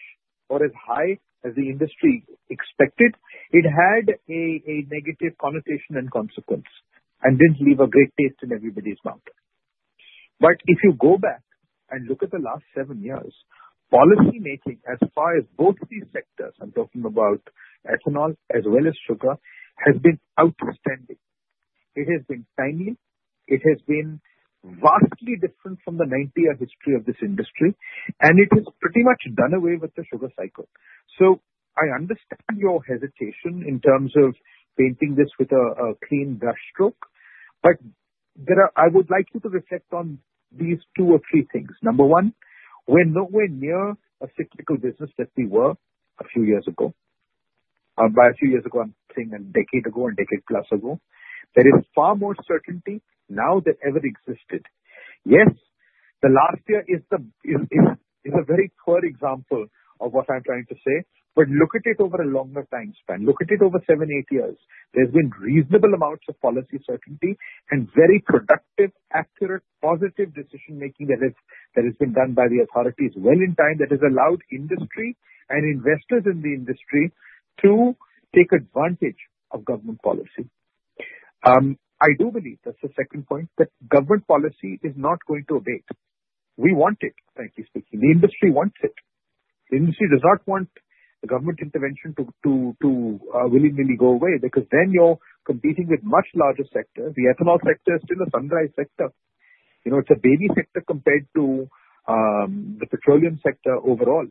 or as high as the industry expected, it had a negative connotation and consequence and didn't leave a great taste in everybody's mouth. But if you go back and look at the last seven years, policymaking as far as both these sectors, I'm talking about ethanol as well as sugar, has been outstanding. It has been timely. It has been vastly different from the 90-year history of this industry, and it has pretty much done away with the sugar cycle. So I understand your hesitation in terms of painting this with a clean brushstroke, but I would like you to reflect on these two or three things. Number one, we're nowhere near a cyclical business that we were a few years ago. By a few years ago, I'm saying a decade ago or a decade plus ago, there is far more certainty now than ever existed. Yes, the last year is a very poor example of what I'm trying to say, but look at it over a longer time span. Look at it over seven, eight years. There's been reasonable amounts of policy certainty and very productive, accurate, positive decision-making that has been done by the authorities well in time that has allowed industry and investors in the industry to take advantage of government policy. I do believe, that's the second point, that government policy is not going to abate. We want it, frankly speaking. The industry wants it. The industry does not want the government intervention to willy-nilly go away because then you're competing with much larger sectors. The ethanol sector is still a sunrise sector. It's a baby sector compared to the petroleum sector overall.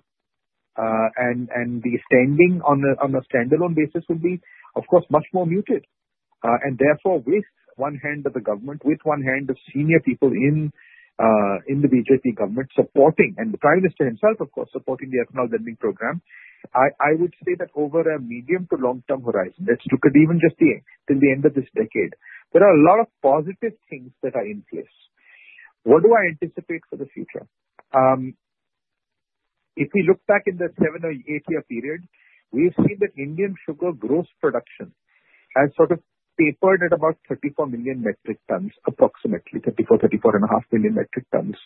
And the standing on a standalone basis will be, of course, much more muted. And therefore, with one hand of the government, with one hand of senior people in the BJP government supporting, and the Prime Minister himself, of course, supporting the Ethanol Blending Program, I would say that over a medium to long-term horizon, let's look at even just till the end of this decade, there are a lot of positive things that are in place. What do I anticipate for the future? If we look back in the seven or eight-year period, we've seen that Indian sugar gross production has sort of tapered at about 34 million metric tons, approximately 34 million, 34 million and 500,000 metric tons.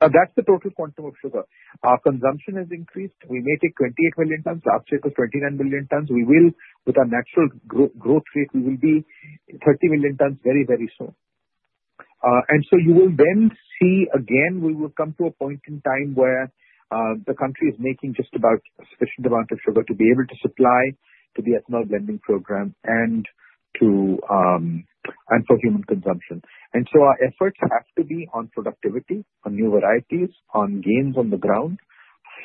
Now, that's the total quantum of sugar. Our consumption has increased. We may take 28 million tons, last year it was 29 million tons. With our natural growth rate, we will be 30 million tons very, very soon. And so you will then see again, we will come to a point in time where the country is making just about a sufficient amount of sugar to be able to supply to the Ethanol Blending Program and for human consumption. And so our efforts have to be on productivity, on new varieties, on gains on the ground,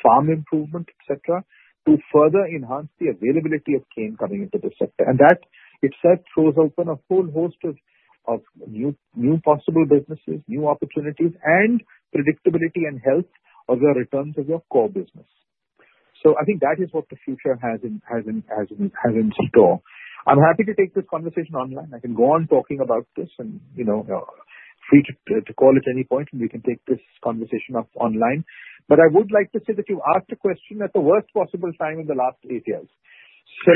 farm improvement, etc., to further enhance the availability of cane coming into the sector. And that itself throws open a whole host of new possible businesses, new opportunities, and predictability and health of your returns of your core business. So I think that is what the future has in store. I'm happy to take this conversation online. I can go on talking about this and free to call at any point, and we can take this conversation up online. But I would like to say that you've asked a question at the worst possible time in the last eight years. So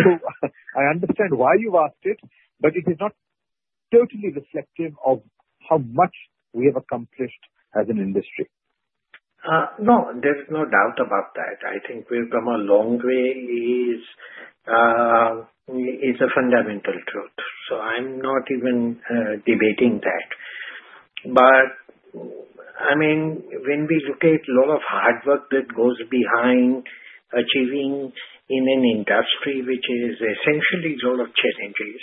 I understand why you've asked it, but it is not totally reflective of how much we have accomplished as an industry. No, there's no doubt about that. I think we've come a long way. It's a fundamental truth. So I'm not even debating that. But I mean, when we look at a lot of hard work that goes behind achieving in an industry which is essentially a lot of challenges,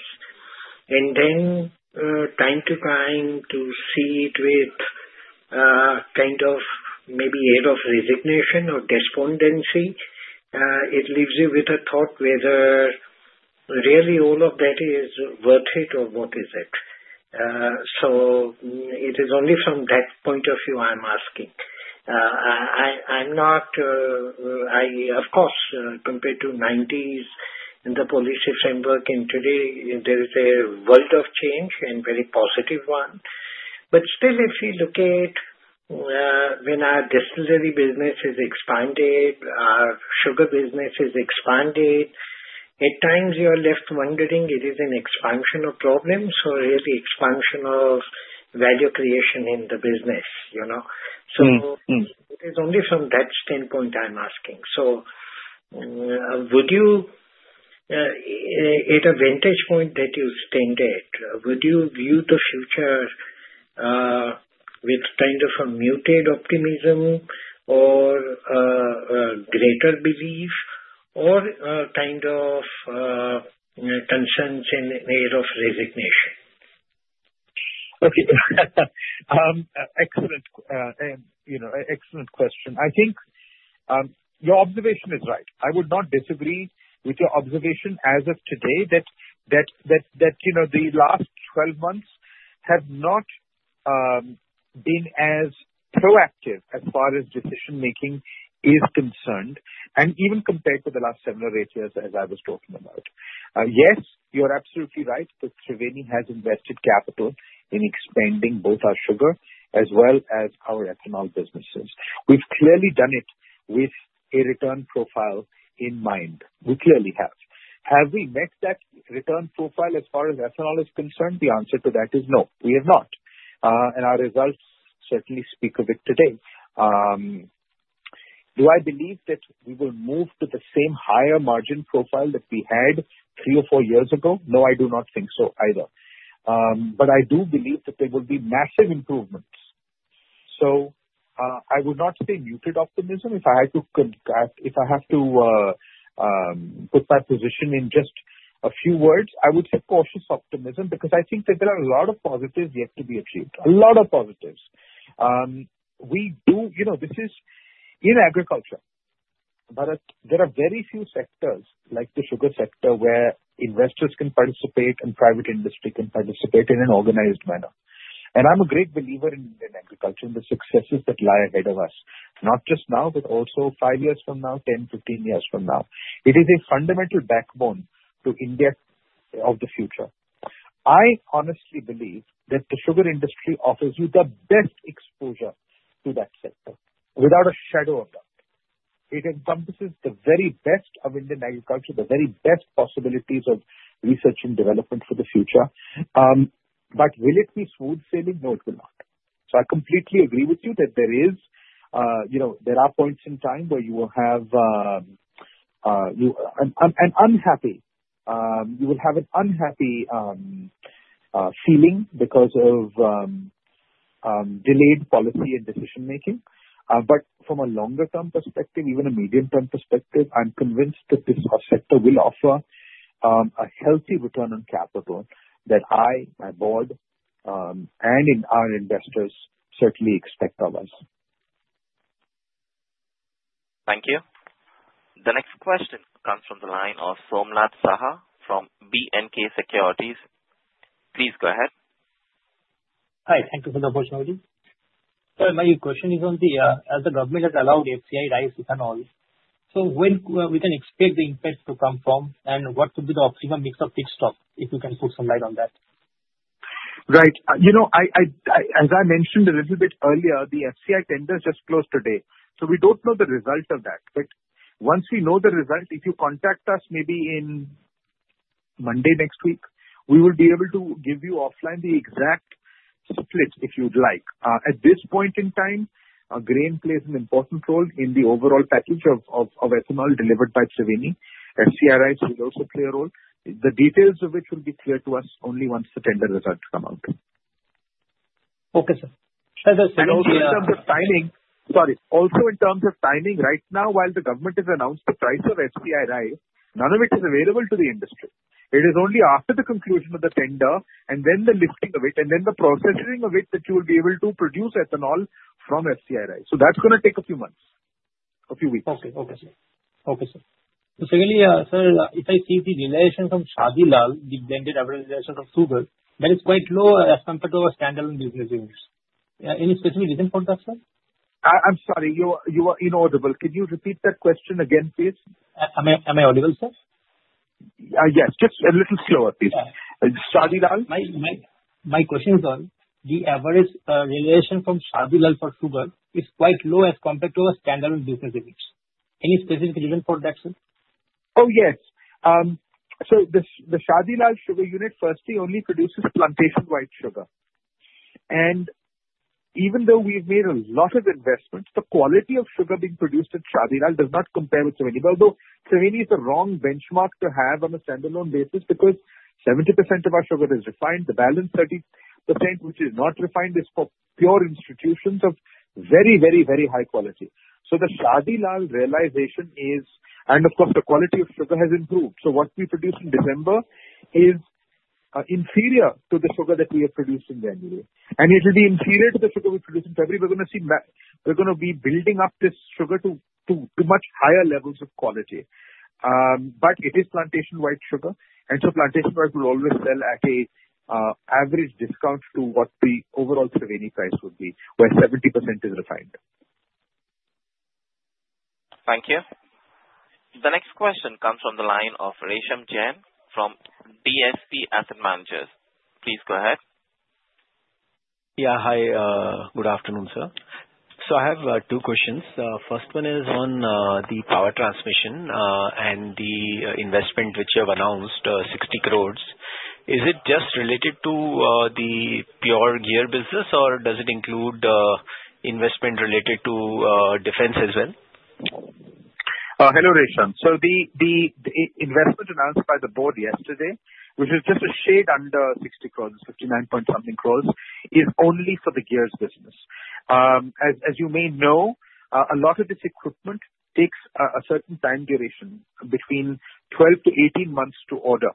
and then from time-to-time to see it with kind of maybe an air of resignation or despondency, it leaves you with a thought whether really all of that is worth it or what is it. So it is only from that point of view I'm asking. I'm not, of course. Compared to the 1990s and the policy framework today, there is a world of change and a very positive one. But still, if you look at when our distillery business has expanded, our sugar business has expanded, at times you're left wondering it is an expansion of problems or really expansion of value creation in the business. So it is only from that standpoint I'm asking. So at a vantage point that you've stated, would you view the future with kind of a muted optimism or a greater belief or kind of concerns in an air of resignation? Okay. Excellent question. I think your observation is right. I would not disagree with your observation as of today that the last 12 months have not been as proactive as far as decision-making is concerned, and even compared to the last seven or eight years as I was talking about. Yes, you're absolutely right that Triveni has invested capital in expanding both our sugar as well as our ethanol businesses. We've clearly done it with a return profile in mind. We clearly have. Have we met that return profile as far as ethanol is concerned? The answer to that is no, we have not. And our results certainly speak of it today. Do I believe that we will move to the same higher margin profile that we had three or four years ago? No, I do not think so either. But I do believe that there will be massive improvements. So I would not say muted optimism. If I have to put my position in just a few words, I would say cautious optimism because I think that there are a lot of positives yet to be achieved. A lot of positives. We do. This is in agriculture. There are very few sectors like the sugar sector where investors can participate and private industry can participate in an organized manner. And I'm a great believer in agriculture, in the successes that lie ahead of us, not just now, but also five years from now, 10, 15 years from now. It is a fundamental backbone to India of the future. I honestly believe that the sugar industry offers you the best exposure to that sector without a shadow of doubt. It encompasses the very best of Indian agriculture, the very best possibilities of research and development for the future. But will it be smooth sailing? No, it will not. So I completely agree with you that there are points in time where you will have an unhappy feeling because of delayed policy and decision-making. But from a longer-term perspective, even a medium-term perspective, I'm convinced that this sector will offer a healthy return on capital that I, my board, and our investors certainly expect of us. Thank you. The next question comes from the line of Somnath Saha from B&K Securities. Please go ahead. Hi. Thank you for the opportunity. So my question is on the, as the government has allowed FCI rice ethanol, so when we can expect the impact to come from and what could be the optimum mix of feedstock if we can put some light on that? Right. As I mentioned a little bit earlier, the FCI tenders just closed today. So we don't know the result of that. But once we know the result, if you contact us maybe in Monday next week, we will be able to give you offline the exact split if you'd like. At this point in time, grain plays an important role in the overall package of ethanol delivered by Triveni. FCI rice will also play a role. The details of which will be clear to us only once the tender results come out. Okay, sir. And in terms of timing sorry. Also in terms of timing, right now, while the government has announced the price of FCI rice, none of it is available to the industry. It is only after the conclusion of the tender and then the lifting of it and then the processing of it that you will be able to produce ethanol from FCI rice. So that's going to take a few months, a few weeks. Okay. Okay, sir. Okay, sir. So really, sir, if I see the realization from Sir Shadi Lal, the blended average realization of sugar, then it's quite low as compared to our standalone business units. Any specific reason for that, sir? I'm sorry. You were inaudible. Could you repeat that question again, please? Am I audible, sir? Yes. Just a little slower, please. Sir Shadi Lal? My question is on the average realization from Sir Shadi Lal for sugar is quite low as compared to our standalone business units. Any specific reason for that, sir? Oh, yes. So the Sir Shadi Lal sugar unit firstly only produces plantation white sugar. Even though we've made a lot of investments, the quality of sugar being produced at Sir Shadi Lal does not compare with Triveni. Triveni is the wrong benchmark to have on a standalone basis because 70% of our sugar is refined. The balance, 30%, which is not refined is for premium institutional of very, very, very high quality. So the Sir Shadi Lal realization is, and of course, the quality of sugar has improved. So what we produce in December is inferior to the sugar that we have produced in January. It will be inferior to the sugar we produce in February. We're going to see we're going to be building up this sugar to much higher levels of quality. But it is plantation white sugar. And so plantation white will always sell at an average discount to what the overall Triveni price would be where 70% is refined. Thank you. The next question comes from the line of Resham Jain from DSP Asset Managers. Please go ahead. Yeah. Hi. Good afternoon, sir. So I have two questions. First one is on the power transmission and the investment which you have announced, 60 crores. Is it just related to the pure gear business, or does it include investment related to defense as well? Hello, Resham. So the investment announced by the board yesterday, which is just a shade under 60 crores, 59 point something crores, is only for the gears business. As you may know, a lot of this equipment takes a certain time duration, between 12-18 months to order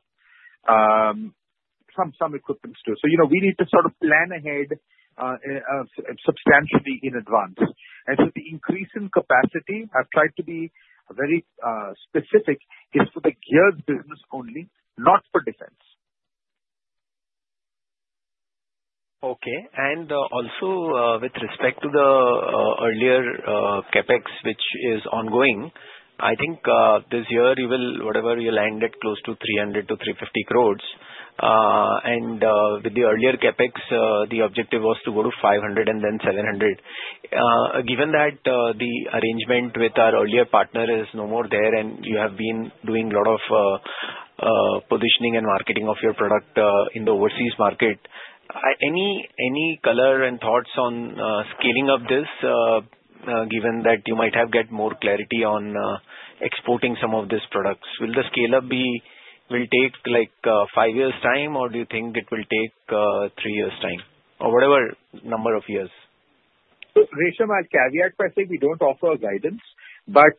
some equipment too. So we need to sort of plan ahead substantially in advance. And so the increase in capacity, I've tried to be very specific, is for the gears business only, not for defense. Okay. And also with respect to the earlier CapEx, which is ongoing, I think this year you will, whatever, you'll end at close to 300 crores-350 crores. And with the earlier CapEx, the objective was to go to 500 crores and then 700 crores. Given that the arrangement with our earlier partner is no more there, and you have been doing a lot of positioning and marketing of your product in the overseas market, any color and thoughts on scaling up this, given that you might have got more clarity on exporting some of these products? Will the scale-up take like five years' time, or do you think it will take three years' time, or whatever number of years? So Resham, I'll caveat by saying we don't offer guidance, but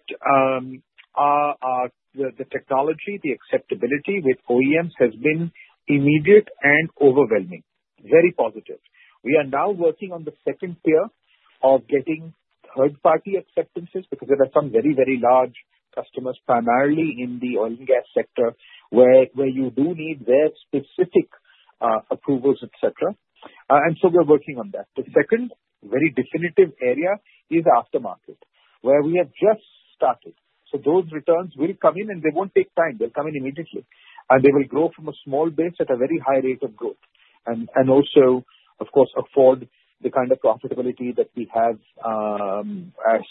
the technology, the acceptability with OEMs has been immediate and overwhelming, very positive. We are now working on the second tier of getting third-party acceptances because there are some very, very large customers, primarily in the oil and gas sector, where you do need their specific approvals, etc., and so we're working on that. The second very definitive area is aftermarket, where we have just started, so those returns will come in, and they won't take time. They'll come in immediately, and they will grow from a small base at a very high rate of growth and also, of course, afford the kind of profitability that we have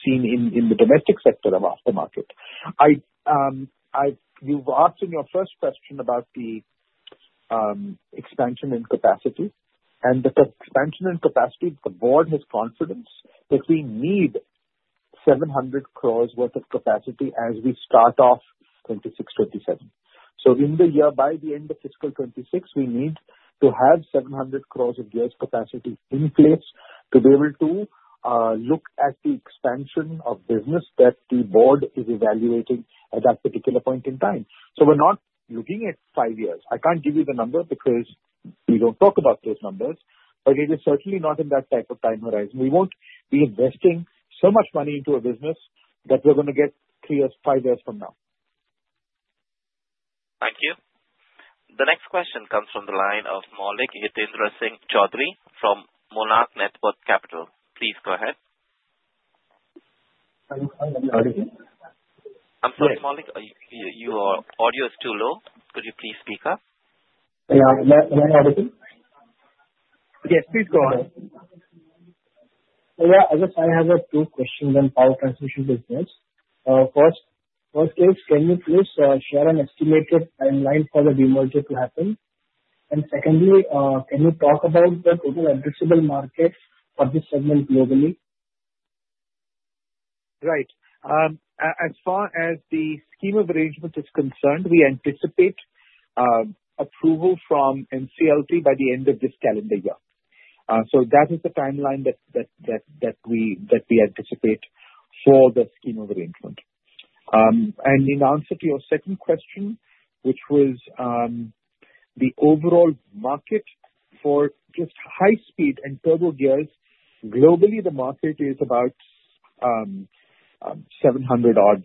seen in the domestic sector of aftermarket. You've asked in your first question about the expansion in capacity, and the expansion in capacity, the board has confidence that we need 700 crores worth of capacity as we start off 2026, 2027, so by the end of fiscal 2026, we need to have 700 crores of gears capacity in place to be able to look at the expansion of business that the board is evaluating at that particular point in time, so we're not looking at five years. I can't give you the number because we don't talk about those numbers, but it is certainly not in that type of time horizon. We won't be investing so much money into a business that we're going to get five years from now. Thank you. The next question comes from the line of Maulik Hitendra Singh Chaudhari from Monarch Networth Capital. Please go ahead. Are you audible? I'm sorry, Maulik. Your audio is too low. Could you please speak up? Yeah. Am I audible? Yes, please go ahead. Yeah. I guess I have two questions on power transmission business. First case, can you please share an estimated timeline for the demerger to happen? And secondly, can you talk about the total addressable market for this segment globally? Right. As far as the scheme of arrangement is concerned, we anticipate approval from NCLT by the end of this calendar year. So that is the timeline that we anticipate for the scheme of arrangement. And in answer to your second question, which was the overall market for just high-speed and turbo gears, globally, the market is about $650 million-$700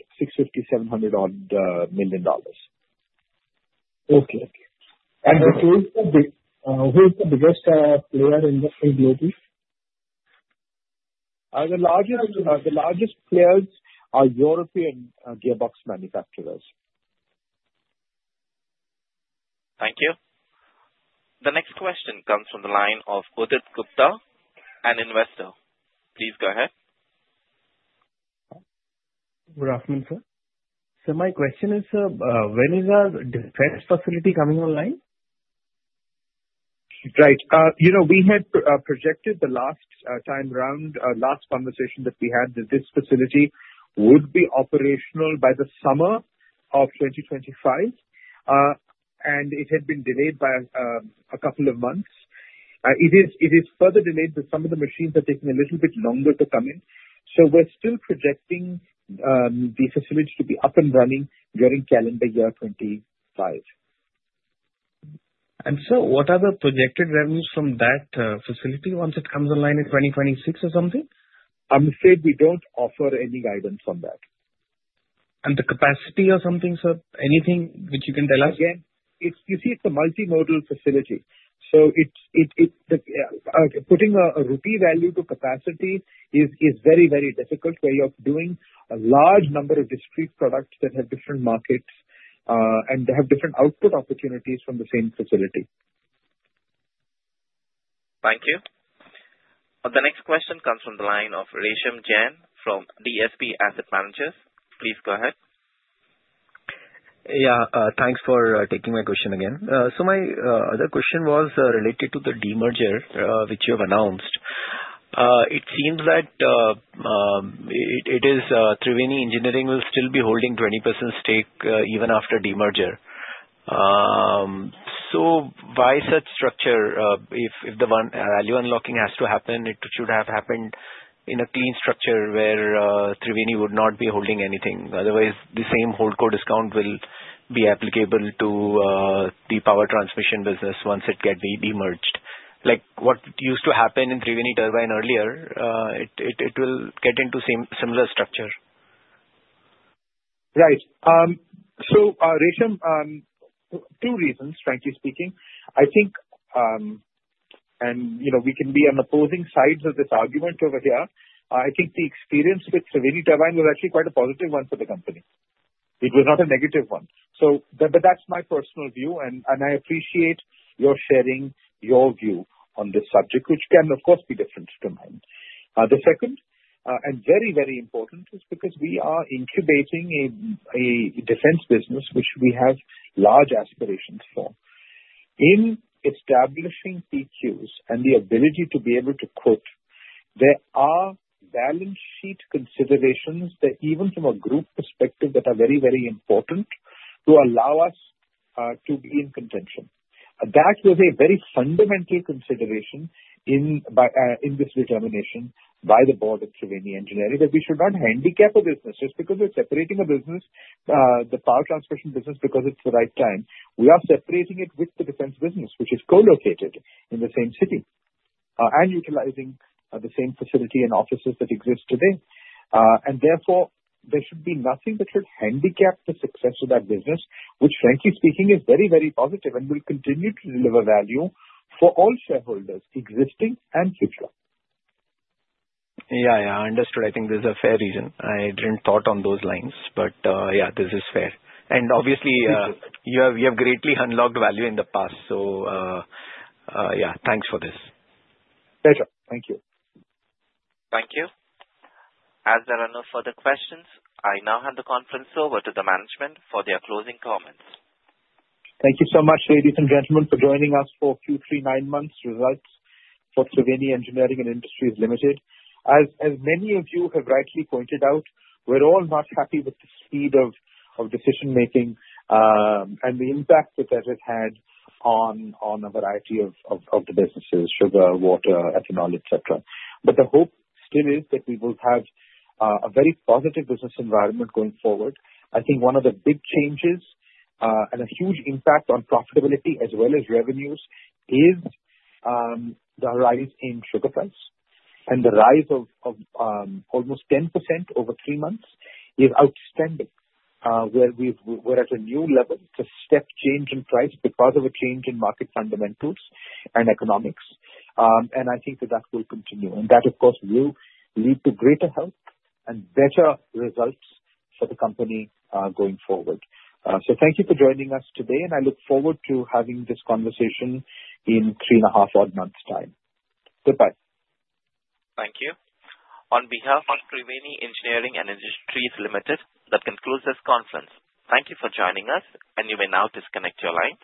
million. Okay. And who is the biggest player in global? The largest players are European gearbox manufacturers. Thank you. The next question comes from the line of Udit Gupta, an Investor. Please go ahead. Good afternoon, sir. So my question is, when is our defense facility coming online? Right. We had projected the last time around, last conversation that we had, that this facility would be operational by the summer of 2025, and it had been delayed by a couple of months. It is further delayed because some of the machines are taking a little bit longer to come in. So we're still projecting the facility to be up and running during calendar year 2025. And so what are the projected revenues from that facility once it comes online in 2026 or something? I'm afraid we don't offer any guidance on that. And the capacity or something, sir? Anything which you can tell us? Again, you see, it's a multimodal facility. So putting a routine value to capacity is very, very difficult where you're doing a large number of discrete products that have different markets and have different output opportunities from the same facility. Thank you. The next question comes from the line of Resham Jain from DSP Asset Managers. Please go ahead. Yeah. Thanks for taking my question again. So my other question was related to the demerger which you have announced. It seems that it is Triveni Engineering will still be holding 20% stake even after demerger. So why such structure? If the value unlocking has to happen, it should have happened in a clean structure where Triveni would not be holding anything. Otherwise, the same Holdco discount will be applicable to the power transmission business once it gets demerged. Like what used to happen in Triveni Turbine earlier, it will get into similar structure. Right. So Resham, two reasons, frankly speaking. I think, and we can be on opposing sides of this argument over here, I think the experience with Triveni Turbine was actually quite a positive one for the company. It was not a negative one. But that's my personal view, and I appreciate your sharing your view on this subject, which can, of course, be different from mine. The second, and very, very important, is because we are incubating a defense business which we have large aspirations for. In establishing PQs and the ability to be able to quote, there are balance sheet considerations that, even from a group perspective, that are very, very important to allow us to be in contention. That was a very fundamental consideration in this determination by the board of Triveni Engineering that we should not handicap a business just because we're separating a business, the power transmission business, because it's the right time. We are separating it with the defense business, which is co-located in the same city and utilizing the same facility and offices that exist today, and therefore, there should be nothing that should handicap the success of that business, which, frankly speaking, is very, very positive and will continue to deliver value for all shareholders, existing and future. Yeah. Yeah. Understood. I think this is a fair reason. I didn't thought on those lines, but yeah, this is fair. And, obviously, you have greatly unlocked value in the past. So yeah, thanks for this. Pleasure. Thank you. Thank you. As there are no further questions, I now hand the conference over to the management for their closing comments. Thank you so much, ladies and gentlemen, for joining us for Q3, nine months results for Triveni Engineering & Industries Limited. As many of you have rightly pointed out, we're all not happy with the speed of decision-making and the impact that it has had on a variety of the businesses: sugar, water, ethanol, etc. But the hope still is that we will have a very positive business environment going forward. I think one of the big changes and a huge impact on profitability as well as revenues is the rise in sugar price. And the rise of almost 10% over three months is outstanding. We're at a new level, a step change in price because of a change in market fundamentals and economics. And I think that that will continue. And that, of course, will lead to greater health and better results for the company going forward. So thank you for joining us today, and I look forward to having this conversation in three and a half, odd months' time. Goodbye. Thank you. On behalf of Triveni Engineering and Industries Limited, that concludes this conference. Thank you for joining us, and you may now disconnect your lines.